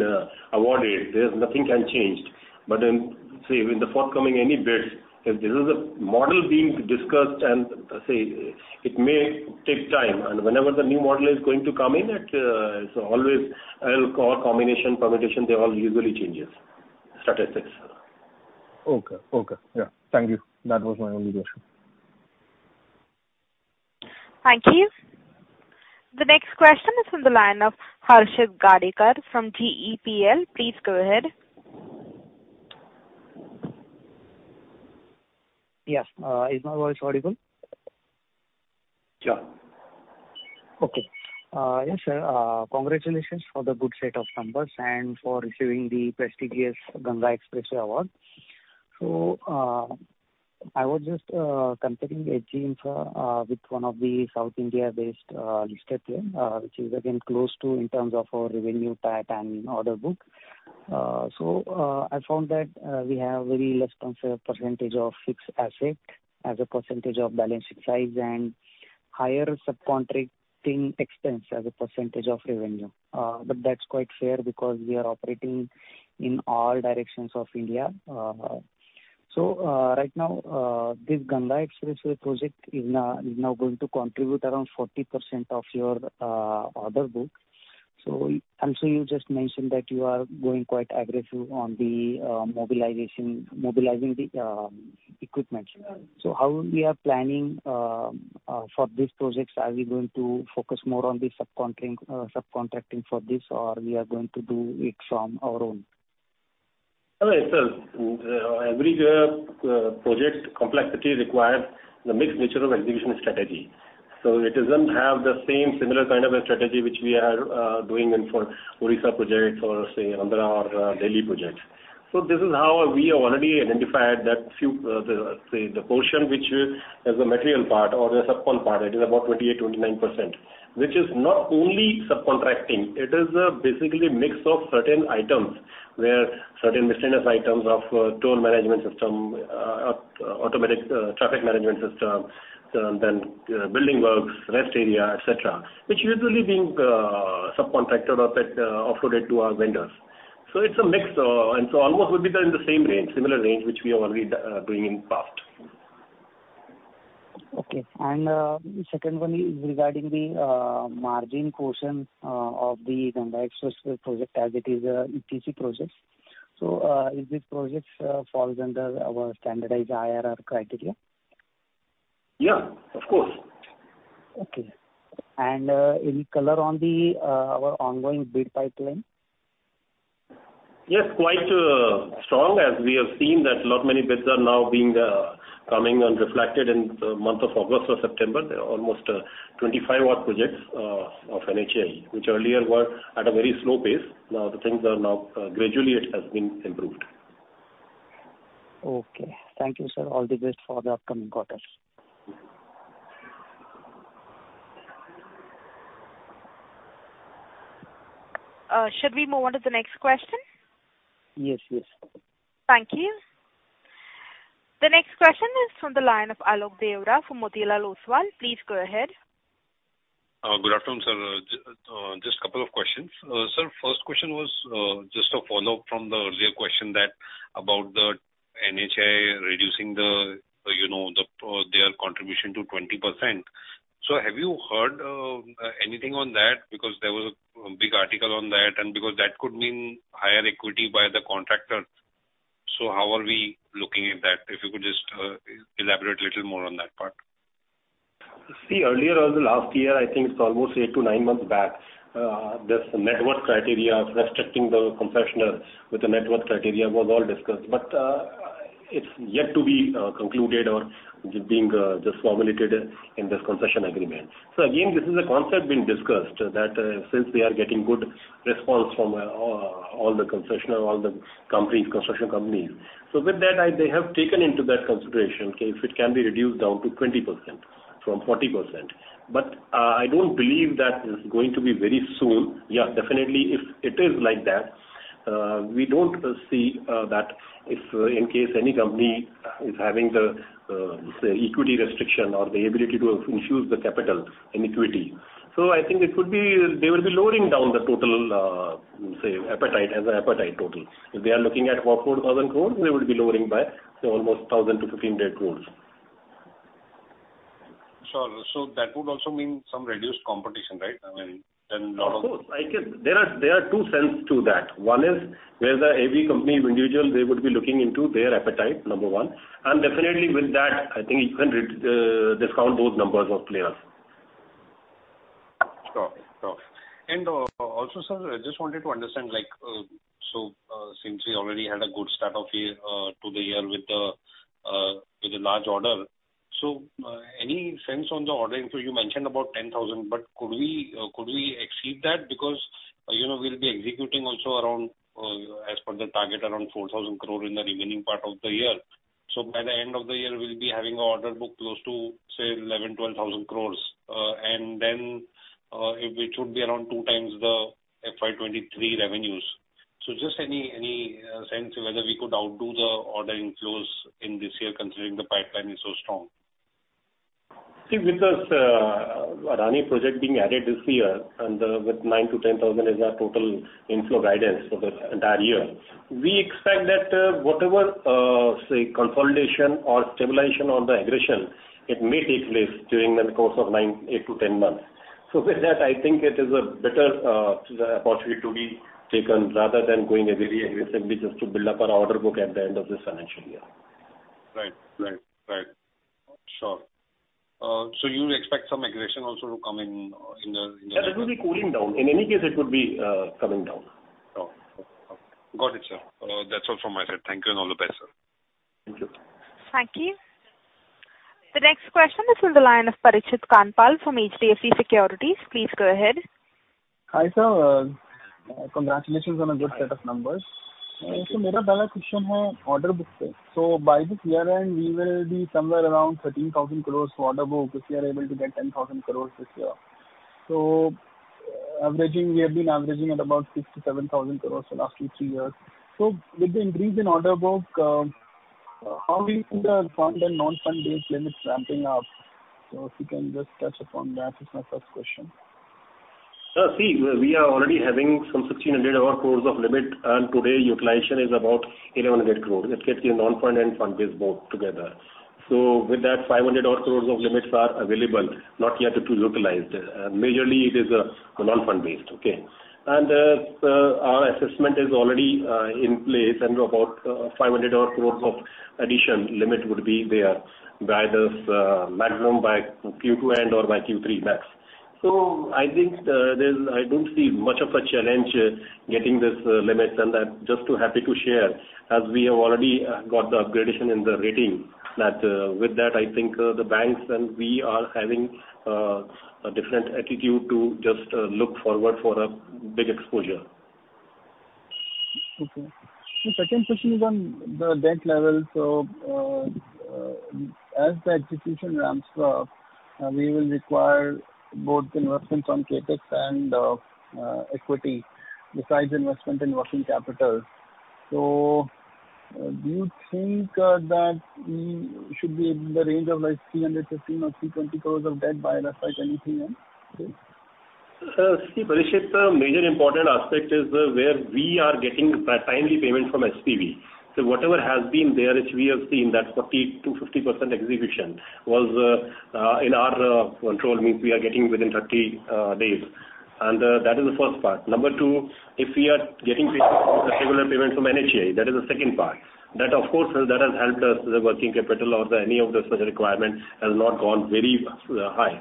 awarded, there's nothing can change. But in, say, in the forthcoming any bids, if there is a model being discussed and, say, it may take time, and whenever the new model is going to come in, it, so always, call combination, permutation, they all usually changes. Statistics. Okay. Okay, yeah. Thank you. That was my only question. Thank you. The next question is on the line of Harshad Gadekar from GEPL. Please go ahead. Yes, is my voice audible? Sure. Okay. Yes, sir, congratulations for the good set of numbers and for receiving the prestigious Ganga Expressway award. So, I was just comparing H.G. Infra with one of the South India-based listed peer, which is again close to in terms of our revenue type and order book. So, I found that we have very less percentage of fixed asset as a percentage of balance sheet size and higher subcontracting expense as a percentage of revenue. But that's quite fair because we are operating in all directions of India. So, right now, this Ganga Expressway project is now going to contribute around 40% of your order book. So, you just mentioned that you are going quite aggressive on the mobilization, mobilizing the equipment. How we are planning for these projects, are we going to focus more on the subcontracting for this, or we are going to do it on our own? All right, sir. Every project complexity requires the mixed nature of execution strategy. So it doesn't have the same similar kind of a strategy which we are doing in for Odisha project or, say, Andhra or Delhi projects. So this is how we have already identified that the portion which is the material part or the subcon part, it is about 28%-29%, which is not only subcontracting, it is basically mix of certain items where certain miscellaneous items of toll management system, automatic traffic management system, then building works, rest area, etc., which usually being subcontracted or get offloaded to our vendors. So it's a mix, and so almost would be there in the same range, similar range, which we have already bring in past. Okay. And the second one is regarding the margin portion of the Mumbai Expressway project, as it is a EPC project. So if this project falls under our standardized IRR criteria? Yeah, of course. Okay. Any color on our ongoing bid pipeline? Yes, quite strong as we have seen that lot many bids are now being coming and reflected in the month of August or September. There are almost 25 odd projects of NHAI, which earlier were at a very slow pace. Now, the things are now gradually it has been improved. Okay. Thank you, sir. All the best for the upcoming quarters. Should we move on to the next question? Yes, yes. Thank you. The next question is from the line of Alok Deora from Motilal Oswal. Please go ahead. Good afternoon, sir. Just a couple of questions. Sir, first question was just a follow-up from the earlier question that about the NHAI reducing the, you know, the their contribution to 20%. So have you heard anything on that? Because there was a big article on that, and because that could mean higher equity by the contractor. So how are we looking at that? If you could just elaborate a little more on that part. See, earlier on the last year, I think it's almost eight to nine months back, this net worth criteria, restricting the concessionaires with the net worth criteria was all discussed, but, it's yet to be concluded or being just formulated in this concession agreement. So again, this is a concept being discussed, that, since we are getting good response from all the concessionaire, all the companies, construction companies. So with that, I-- they have taken into that consideration, okay, if it can be reduced down to 20% from 40%. But, I don't believe that is going to be very soon. Yeah, definitely, if it is like that, we don't see that if in case any company is having the, say, equity restriction or the ability to infuse the capital in equity. I think it would be, they will be lowering down the total, say, appetite, as an appetite total. If they are looking at 4,000 crore, they will be lowering by say almost 1,000 crore-1,500 crore. Sure. So that would also mean some reduced competition, right? I mean, then not all- Of course, I can. There are two senses to that. One is whether every company individual they would be looking into their appetite, number one. And definitely with that, I think you can discount both numbers of players. Sure, sure. And, also, sir, I just wanted to understand, like, so, since we already had a good start of year, to the year with the, with a large order, so, any sense on the order? So you mentioned about 10,000 crore, but could we, could we exceed that? Because, you know, we'll be executing also around, as per the target, around 4,000 crore in the remaining part of the year. So by the end of the year, we'll be having an order book close to, say, 11,000-12,000 crores, and then, it should be around 2x the FY 2023 revenues. So just any, sense whether we could outdo the order inflows in this year, considering the pipeline is so strong? See, with this Adani project being added this year, and with 9,000-10,000 is our total inflow guidance for the entire year, we expect that whatever, say, consolidation or stabilization on the aggression, it may take place during the course of eight-10 months. So with that, I think it is a better opportunity to be taken, rather than going very aggressively just to build up our order book at the end of this financial year. Right. Right, right. Sure. So you expect some aggression also to come in, in the near future? Sir, it will be cooling down. In any case, it would be coming down. Oh, okay. Got it, sir. That's all from my side. Thank you, and all the best, sir. Thank you. Thank you. The next question is in the line of Parikshit Kandpal from HDFC Securities. Please go ahead. Hi, sir. Congratulations on a good set of numbers. Thank you. So my first question is on order book. So by this year end, we will be somewhere around 13,000 crore for order book, if we are able to get 10,000 crore this year. So averaging, we have been averaging at about 6,000-7,000 crore for last few three years. So with the increase in order book, how we see the fund and non-fund based limits ramping up? So if you can just touch upon that, is my first question. See, we are already having some 1,600 odd crores of limit, and today, utilization is about 1,100 crores. It gets you non-fund and fund based both together. So with that, 500 odd crores of limits are available, not yet to be utilized. Majorly, it is a non-fund based, okay? And our assessment is already in place, and about 500 odd crores of addition limit would be there, by this maximum by Q2 end or by Q3 max. So I think, there's—I don't see much of a challenge getting this limits, and I'm just too happy to share, as we have already got the upgradation in the rating. That, with that, I think the banks and we are having a different attitude to just look forward for a big exposure. Okay. The second question is on the debt level. So, as the execution ramps up, we will require both investments on CapEx and equity, besides investment in working capital. So, do you think that we should be in the range of, like, 350 crores or 320 crores of debt by like, anything else? See, Parikshit, the major important aspect is where we are getting the timely payment from SPV. So whatever has been there, which we have seen, that 40%-50% execution was in our control, means we are getting within 30 days, and that is the first part. Number two, if we are getting regular payment from NHAI, that is the second part. That, of course, that has helped us, the working capital or the any of the such requirements has not gone very high.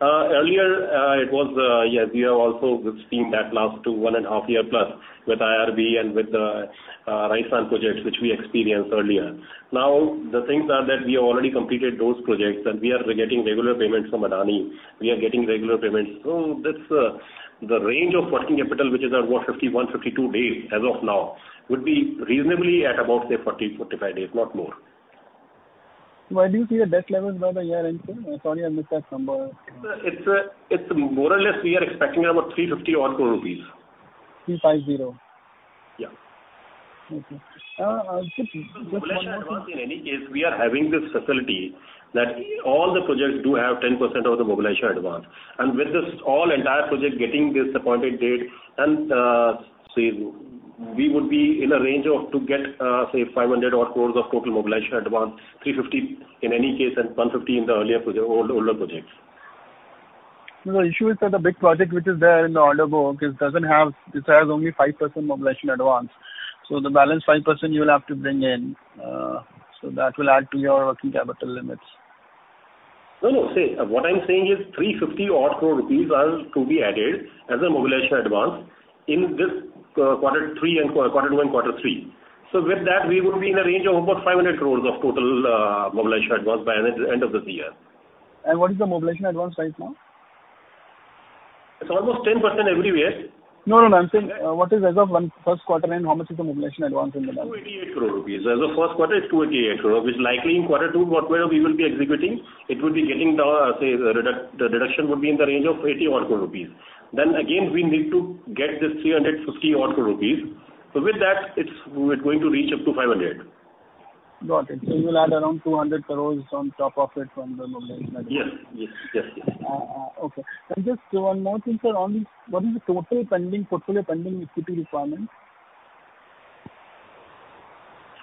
Earlier, it was, yes, we have also seen that last 2, one and a half year plus with IRB and with the Rajasthan projects, which we experienced earlier. Now, the things are that we have already completed those projects, and we are getting regular payments from Adani. We are getting regular payments. That's the range of working capital, which is about 51-52 days as of now, would be reasonably at about, say, 40-45 days, not more. Why do you see the debt levels by the year end, sir? Sorry, I missed that number. It's, it's more or less, we are expecting about 350-odd crore rupees. 350? Yeah. Okay. Just one more thing- In any case, we are having this facility that all the projects do have 10% of the Mobilization Advance. And with this, all entire project getting this Appointed Date, then, say, we would be in a range of to get, say, 500-odd crore of total Mobilization Advance, 350 in any case, and 150 in the earlier project, older, older projects. No, the issue is that the big project which is there in the order book, it doesn't have, this has only 5% mobilization advance. So the balance 5% you will have to bring in, so that will add to your working capital limits. No, no. Say, what I'm saying is 350 crore rupees odd are to be added as a mobilization advance in this quarter three and quarter one, quarter three. So with that, we would be in a range of about 500 crore of total mobilization advance by end of this year. What is the Mobilization Advance right now? It's almost 10% everywhere. No, no, no. I'm saying, what is as of when first quarter, and how much is the Mobilization Advance in the bank? 288 crore rupees. As of first quarter, it's 288 crore rupees, which likely in quarter two, what we will be executing, it will be getting the, say, the reduction, the deduction would be in the range of 80-odd crore rupees. Then again, we need to get this 350-odd crore rupees. So with that, it's, we're going to reach up to 500. Got it. So you will add around 200 crore on top of it from the mobilization. Yes. Yes, yes, yes. Okay. And just one more thing, sir, on this. What is the total pending, portfolio pending equity requirement?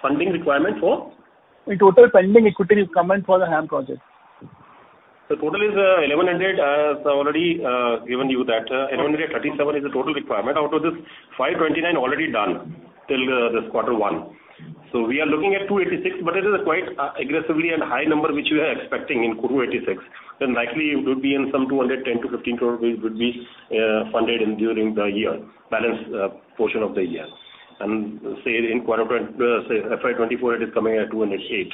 Funding requirement for? The total pending equity requirement for the HAM projects. The total is 1,100. I've already given you that. 1,137 is the total requirement. Out of this, 529 already done till this quarter one. We are looking at 286, but it is quite aggressively and high number, which we are expecting in 286. Likely it would be in some 200, 10-15 crore rupees would be funded in during the year, balance portion of the year. In quarter, say FY 2024, it is coming at 208.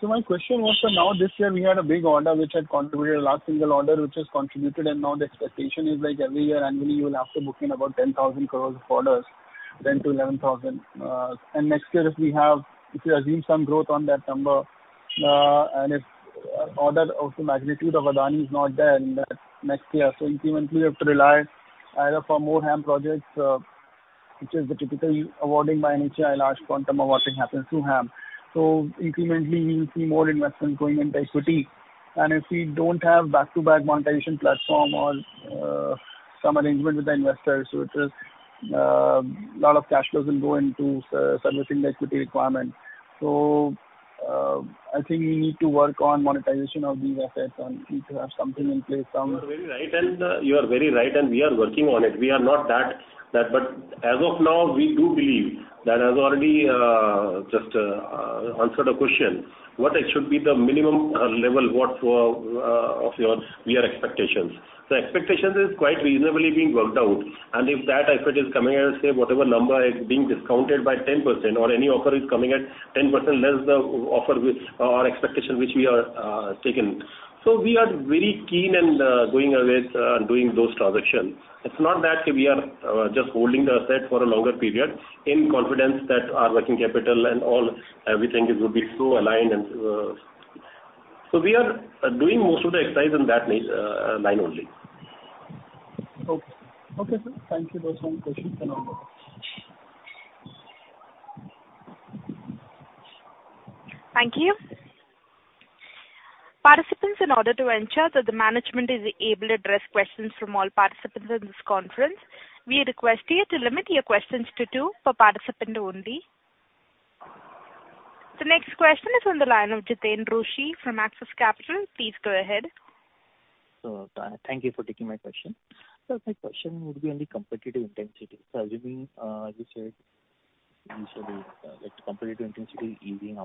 So my question was, so now this year we had a big order which had contributed, a large single order, which has contributed, and now the expectation is like every year annually, you will have to book in about 10,000 crore of orders, 10-11 thousand. And next year, if we have, if you assume some growth on that number, and if order of the magnitude of Adani is not there in that next year. So incrementally, we have to rely either for more HAM projects, which is the typically awarding by NHAI, large quantum of working happens through HAM. So incrementally, we will see more investment going into equity. And if we don't have back-to-back monetization platform or, some arrangement with the investors, which is, a lot of cash flows will go into servicing the equity requirement. So, I think we need to work on monetization of these assets and need to have something in place some- You are very right, and you are very right, and we are working on it. We are not that, that. But as of now, we do believe that as already just answer the question, what should be the minimum level, what of your, your expectations? The expectations is quite reasonably being worked out, and if that asset is coming at, say, whatever number is being discounted by 10% or any offer is coming at 10% less the offer with or expectation, which we are taking. So we are very keen and going ahead doing those transactions. It's not that we are just holding the asset for a longer period in confidence that our working capital and all, everything will be so aligned and. So we are doing most of the exercise in that line only. Okay. Okay, sir. Thank you very much. Thank you. Participants, in order to ensure that the management is able to address questions from all participants in this conference, we request you to limit your questions to two per participant only. The next question is on the line of Jiten Rushi from Axis Capital. Please go ahead. So thank you for taking my question. So my question would be on the competitive intensity. So assuming, you said that competitive intensity is easing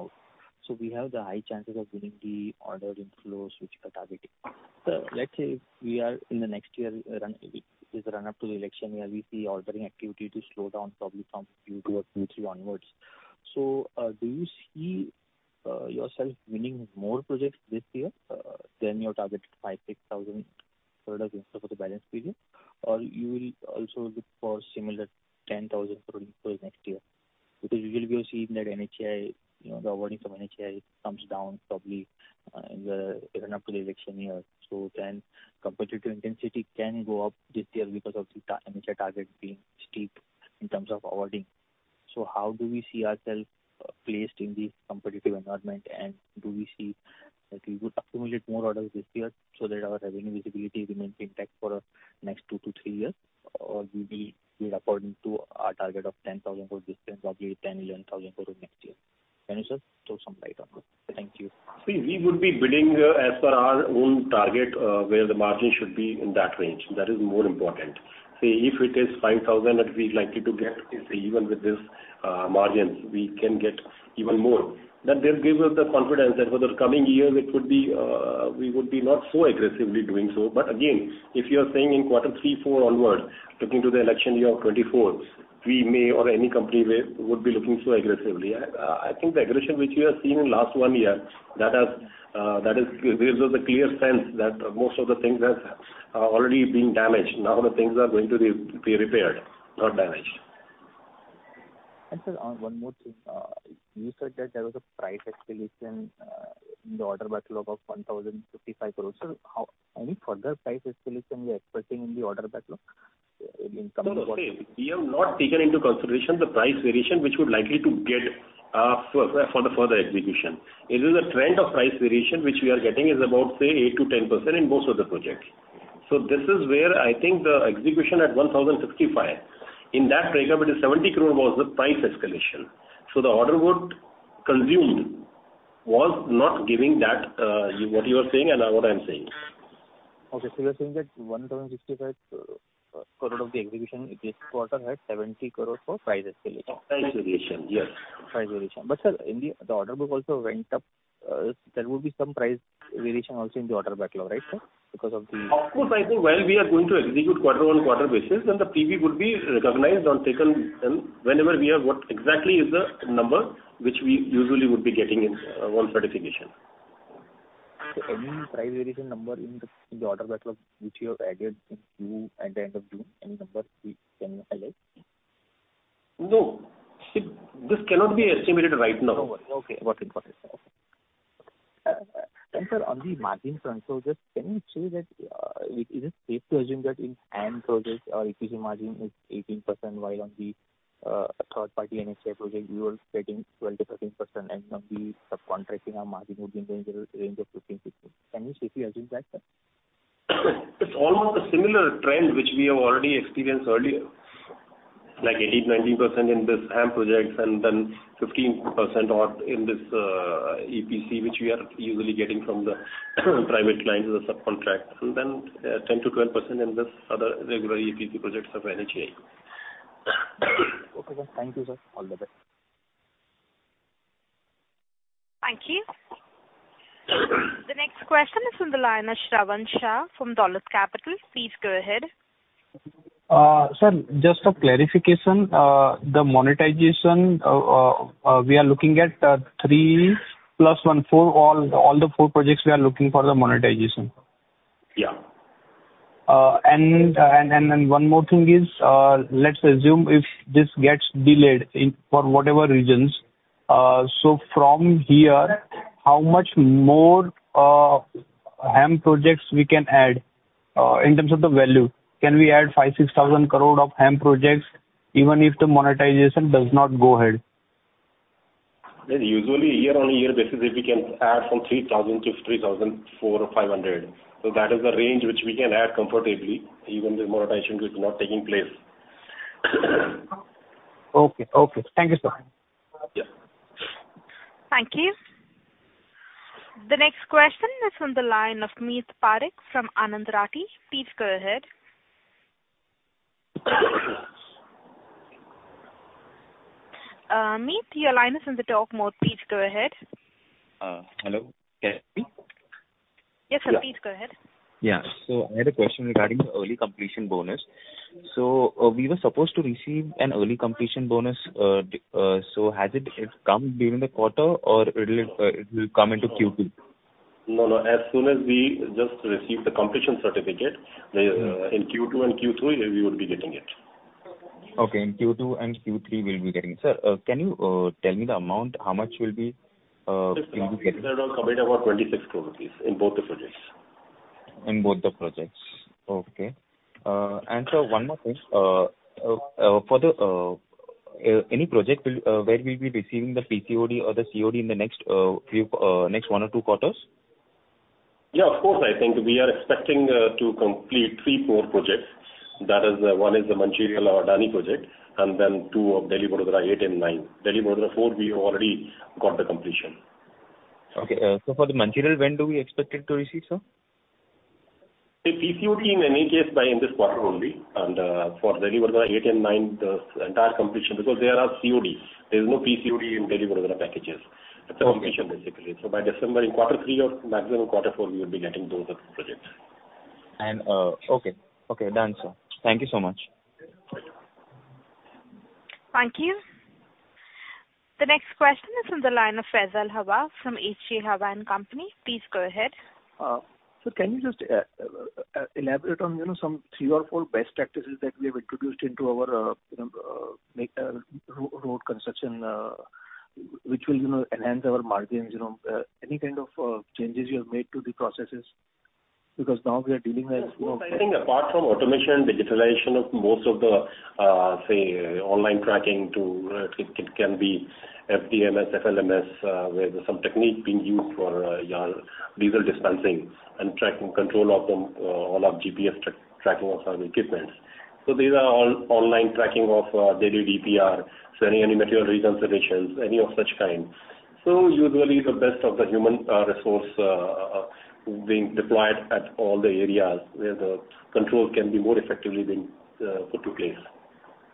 out, so we have the high chances of winning the order inflows which you are targeting. So let's say we are in the next year, which is the run-up to the election year, we see ordering activity to slow down probably from Q2 or Q3 onwards. So, do you see yourself winning more projects this year than your target 5,000-6,000 crore for the balance period, or you will also look for similar 10,000 crore for next year? Because we will be seeing that NHAI, you know, the awarding from NHAI comes down probably in the run-up to the election year. So then competitive intensity can go up this year because of the NHAI target being steep in terms of awarding. So how do we see ourselves placed in the competitive environment? And do we see that we would accumulate more orders this year so that our revenue visibility remains intact for the next two to three years? Or we will be according to our target of 10,000 crore this term, probably 10,000-11,000 crore next year. Can you, sir, throw some light on this? Thank you. See, we would be bidding, as per our own target, where the margin should be in that range. That is more important. See, if it is 5,000 that we're likely to get, say, even with this, margin, we can get even more. That just gives us the confidence that for the coming years, it would be, we would be not so aggressively doing so. But again, if you are saying in quarter three, four onwards, looking to the election year of 2024, we may or any company will, would be looking so aggressively. I, I think the aggression which you have seen in last one year, that has, that is- gives us a clear sense that most of the things have, already been damaged. Now the things are going to be, be repaired, not damaged. Sir, one more thing. You said that there was a price escalation in the order backlog of 1,055 crore. So how... any further price escalation you're expecting in the order backlog in coming quarter? No, no. We have not taken into consideration the price variation, which would likely to get for the further execution. It is a trend of price variation, which we are getting is about, say, 8%-10% in most of the projects. So this is where I think the execution at 1,055, in that breakup, the 70 crore was the price escalation. So the order book consumed was not giving that, what you are saying and what I'm saying. Okay. So you're saying that 1,055 crore of the execution this quarter had 70 crore for price escalation? Price variation, yes. Price variation. But sir, in the order book also went up, there will be some price variation also in the order backlog, right, sir? Because of the- Of course, I think while we are going to execute quarter-on-quarter basis, then the PV would be recognized or taken, whenever we have what exactly is the number which we usually would be getting in, on certification. So any price variation number in the order backlog, which you have added in June, at the end of June, any number we can highlight? No. See, this cannot be estimated right now. No worry. Okay, got it. Got it. And sir, on the margin front, so just can you say that is it safe to assume that in HAM projects, our EPC margin is 18%, while on the third party NHAI project, we were getting 12%-13%, and on the subcontracting, our margin would be in the range of 15-16. Can we safely assume that, sir? It's almost a similar trend which we have already experienced earlier, like 18%-19% in this HAM projects, and then 15% or in this EPC, which we are usually getting from the private clients as a subcontract. And then, 10%-12% in this other regular EPC projects of NHAI. Okay, sir. Thank you, sir. All the best. Thank you. The next question is from the line of Shravan Shah from Dolat Capital. Please go ahead. Sir, just a clarification. The monetization, we are looking at three plus one, four, all the four projects we are looking for the monetization? Yeah. And, one more thing is, let's assume if this gets delayed, for whatever reasons, so from here, how much more HAM projects we can add, in terms of the value? Can we add 5,000-6,000 crore of HAM projects, even if the monetization does not go ahead? Yeah, usually year-over-year basis, we can add from 3,000 crore-3,400 or 500 crore. That is the range which we can add comfortably, even the monetization is not taking place. Okay. Okay. Thank you, sir. Yeah. Thank you. The next question is from the line of Meet Parikh from Anand Rathi. Please go ahead. Meet, your line is in the talk mode. Please go ahead. Hello. Can you hear me? Yes, sir. Please go ahead. Yeah. So I had a question regarding the early completion bonus. So, we were supposed to receive an early completion bonus, so has it come during the quarter, or it'll come into Q2? No, no. As soon as we just receive the completion certificate, in Q2 and Q3, we would be getting it. Okay, in Q2 and Q3, we'll be getting. Sir, can you tell me the amount, how much will be, we will be getting? It's around somewhere about INR 26 crore in both the projects. In both the projects. Okay. And sir, one more thing. For any project where we'll be receiving the PCOD or the COD in the next few next one or two quarters? Yeah, of course, I think we are expecting to complete 3 or 4 projects. That is, one is the Mancherial-Repallewada project, and then two of Delhi-Gurugram 8 and 9. Delhi-Gurugram 4, we already got the completion. Okay. So for the Mancherial, when do we expect it to receive, sir? The PCOD, in any case, by in this quarter only, and for Delhi-Gurugram 8 and 9, the entire completion, because they are all CODs. There is no PCOD in Delhi-Gurugram packages. It's a completion, basically. So by December, in quarter three or maximum quarter four, we will be getting both of the projects. Okay. Okay, done, sir. Thank you so much.... Thank you. The next question is from the line of Faisal Hawa from H.G. Hawa & Co. Please go ahead. So can you just elaborate on, you know, some three or four best practices that we have introduced into our road construction, which will, you know, enhance our margins, you know, any kind of changes you have made to the processes? Because now we are dealing with, you know- I think apart from automation, digitalization of most of the, say, online tracking to, it, it can be FDMS, FLMS, where there's some technique being used for, your diesel dispensing and tracking control of, all our GPS tracking of our equipments. So these are all online tracking of, daily DPR, so any material reconciliations, any of such kind. So usually, the best of the human resource are being deployed at all the areas where the control can be more effectively being put to place.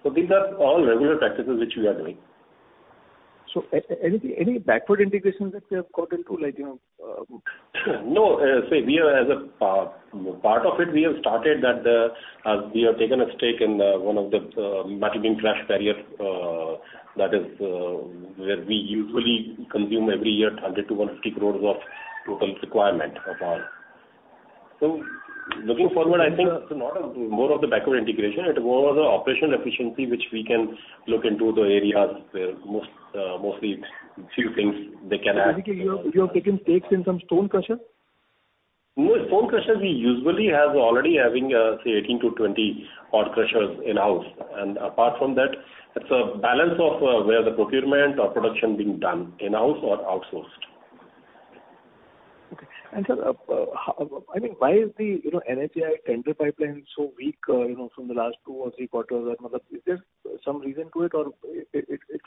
So these are all regular practices which we are doing. Any backward integrations that we have got into, like, you know? No, say we are as a part of it, we have started that, as we have taken a stake in one of the metal beam crash barrier that is where we usually consume every year, 100 crore-150 crore of total requirement of our... So looking forward, I think it's not a more of the backward integration, it's more of the operational efficiency which we can look into the areas where most, mostly few things they can add. You, you have taken stakes in some stone crusher? No, stone crushers, we usually have already having, say, 18 to 20-odd crushers in-house. And apart from that, it's a balance of, where the procurement or production being done in-house or outsourced. Okay. And, sir, I mean, why is the, you know, NHAI tender pipeline so weak, you know, from the last two or three quarters? I mean, like, is there some reason to it, or it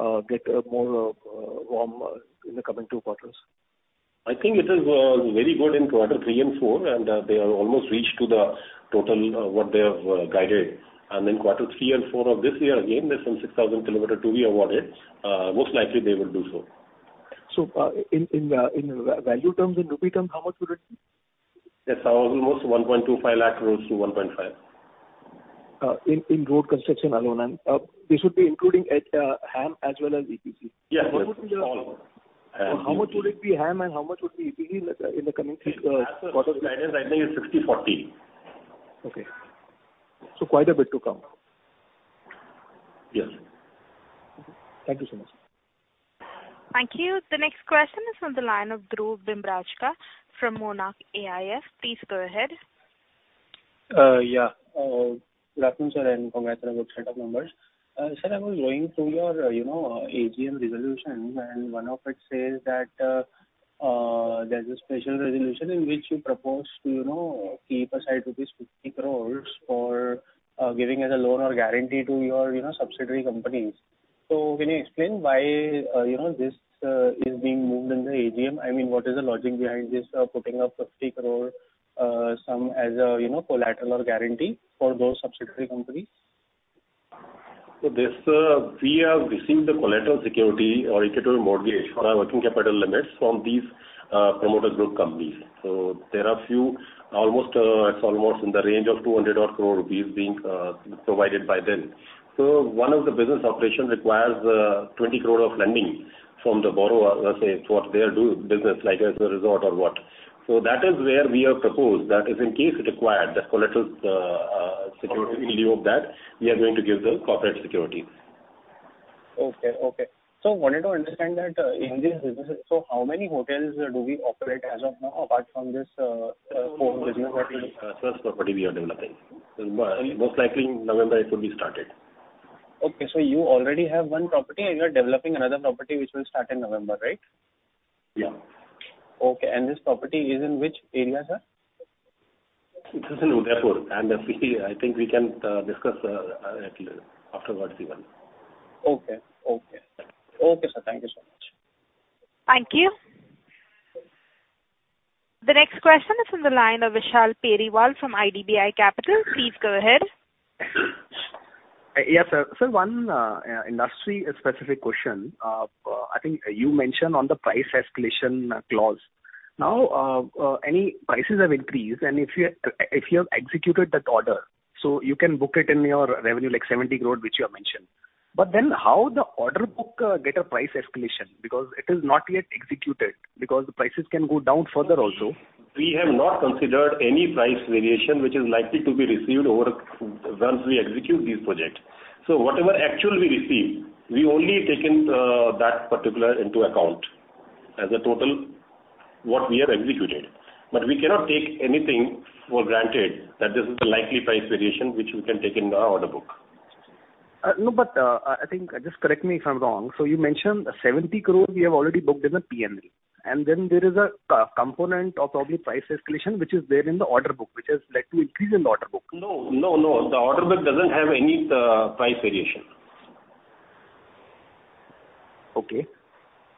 will get more warm in the coming two quarters? I think it is very good in quarter three and four, and they have almost reached to the total what they have guided. And then quarter three and four of this year, again, there's some 6,000 kilometers to be awarded, most likely they will do so. So, in value terms, in rupee terms, how much would it be? Yes, almost 1.25 lakh-1.5 lakh. In road construction alone, and this would be including HAM as well as EPC? Yes. How much would it be HAM, and how much would it be EPC in the coming three quarters? The guidance right now is 60, 14. Okay. So quite a bit to come. Yes. Thank you so much. Thank you. The next question is from the line of Dhruv Bhimrajka from Monarch AIF. Please go ahead. Yeah. Good afternoon, sir, and congrats on a good set of numbers. Sir, I was going through your, you know, AGM resolutions, and one of it says that, there's a special resolution in which you propose to, you know, keep aside rupees 60 crore for, giving as a loan or guarantee to your, you know, subsidiary companies. So can you explain why, you know, this, is being moved in the AGM? I mean, what is the logic behind this, putting up 50 crore sum as a, you know, collateral or guarantee for those subsidiary companies? So this, we have received the collateral security or equity mortgage on our working capital limits from these promoter group companies. So there are a few, almost, it's almost in the range of 200-odd crore rupees being provided by them. So one of the business operations requires 20 crore of lending from the borrower, let's say, towards their day-to-day business, like as a resort or what. So that is where we have proposed, that is in case it required, the collateral security in lieu of that, we are going to give the corporate security. Okay, okay. So wanted to understand that, in this business, so how many hotels do we operate as of now, apart from this, core business? First property we are developing. So most likely in November it will be started. Okay, so you already have one property, and you are developing another property, which will start in November, right? Yeah. Okay, and this property is in which area, sir? It is in Udaipur, and I think we can discuss afterwards even. Okay. Okay. Okay, sir, thank you so much. Thank you. The next question is from the line of Vishal Periwal from IDBI Capital. Please go ahead. Yes, sir. So one industry specific question. I think you mentioned on the price escalation clause. Now any prices have increased, and if you have executed that order, so you can book it in your revenue, like 70 crore, which you have mentioned. But then how the order book get a price escalation? Because it is not yet executed, because the prices can go down further also. We have not considered any price variation, which is likely to be received over once we execute these projects. So whatever actual we receive, we only taken that particular into account as a total what we have executed. But we cannot take anything for granted, that this is the likely price variation which we can take in our order book. No, but I think, just correct me if I'm wrong. So you mentioned 70 crore we have already booked as a P&L, and then there is a c-component of probably price escalation, which is there in the order book, which has led to increase in the order book. No, no, no. The order book doesn't have any price variation. Okay.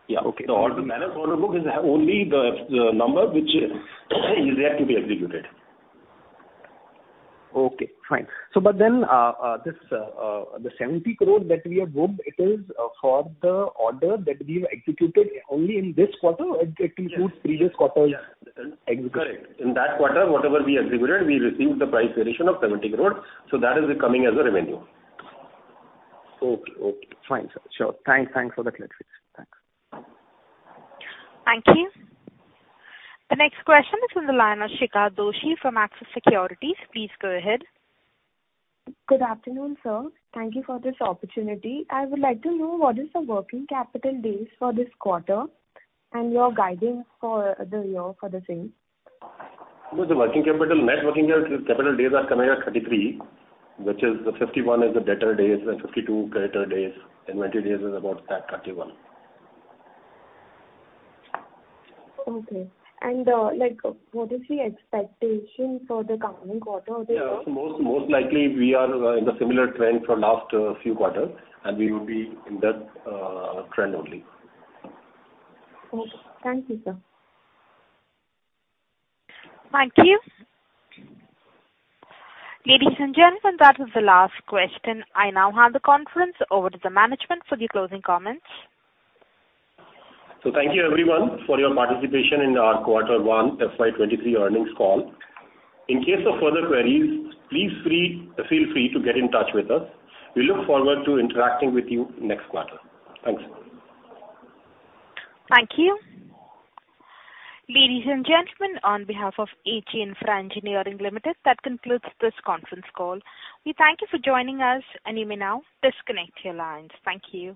Yeah, okay. The order management order book is only the number which is yet to be executed. Okay, fine. So but then, this, the 70 crore that we have booked, it is, for the order that we've executed only in this quarter or it, it includes previous quarters? Yeah. Ex- Correct. In that quarter, whatever we executed, we received the price variation of 70 crore, so that is coming as a revenue. Okay, okay. Fine, sir. Sure. Thanks, thanks for the clarity. Thanks. Thank you. The next question is from the line of Shikha Doshi from Axis Securities. Please go ahead. Good afternoon, sir. Thank you for this opportunity. I would like to know what is the working capital days for this quarter and your guidance for the year for the same? The working capital, net working capital days are coming at 33, which is the 51 is the debtor days and 52 creditor days, and 20 days is about that, 31. Okay. Like, what is the expectation for the coming quarter? Yeah, most likely we are in the similar trend for last few quarters, and we will be in that trend only. Okay. Thank you, sir. Thank you. Ladies and gentlemen, that was the last question. I now hand the conference over to the management for the closing comments. So thank you everyone for your participation in our quarter one FY 2023 earnings call. In case of further queries, please feel free to get in touch with us. We look forward to interacting with you next quarter. Thanks. Thank you. Ladies and gentlemen, on behalf of H.G. Infra Engineering Limited, that concludes this conference call. We thank you for joining us, and you may now disconnect your lines. Thank you.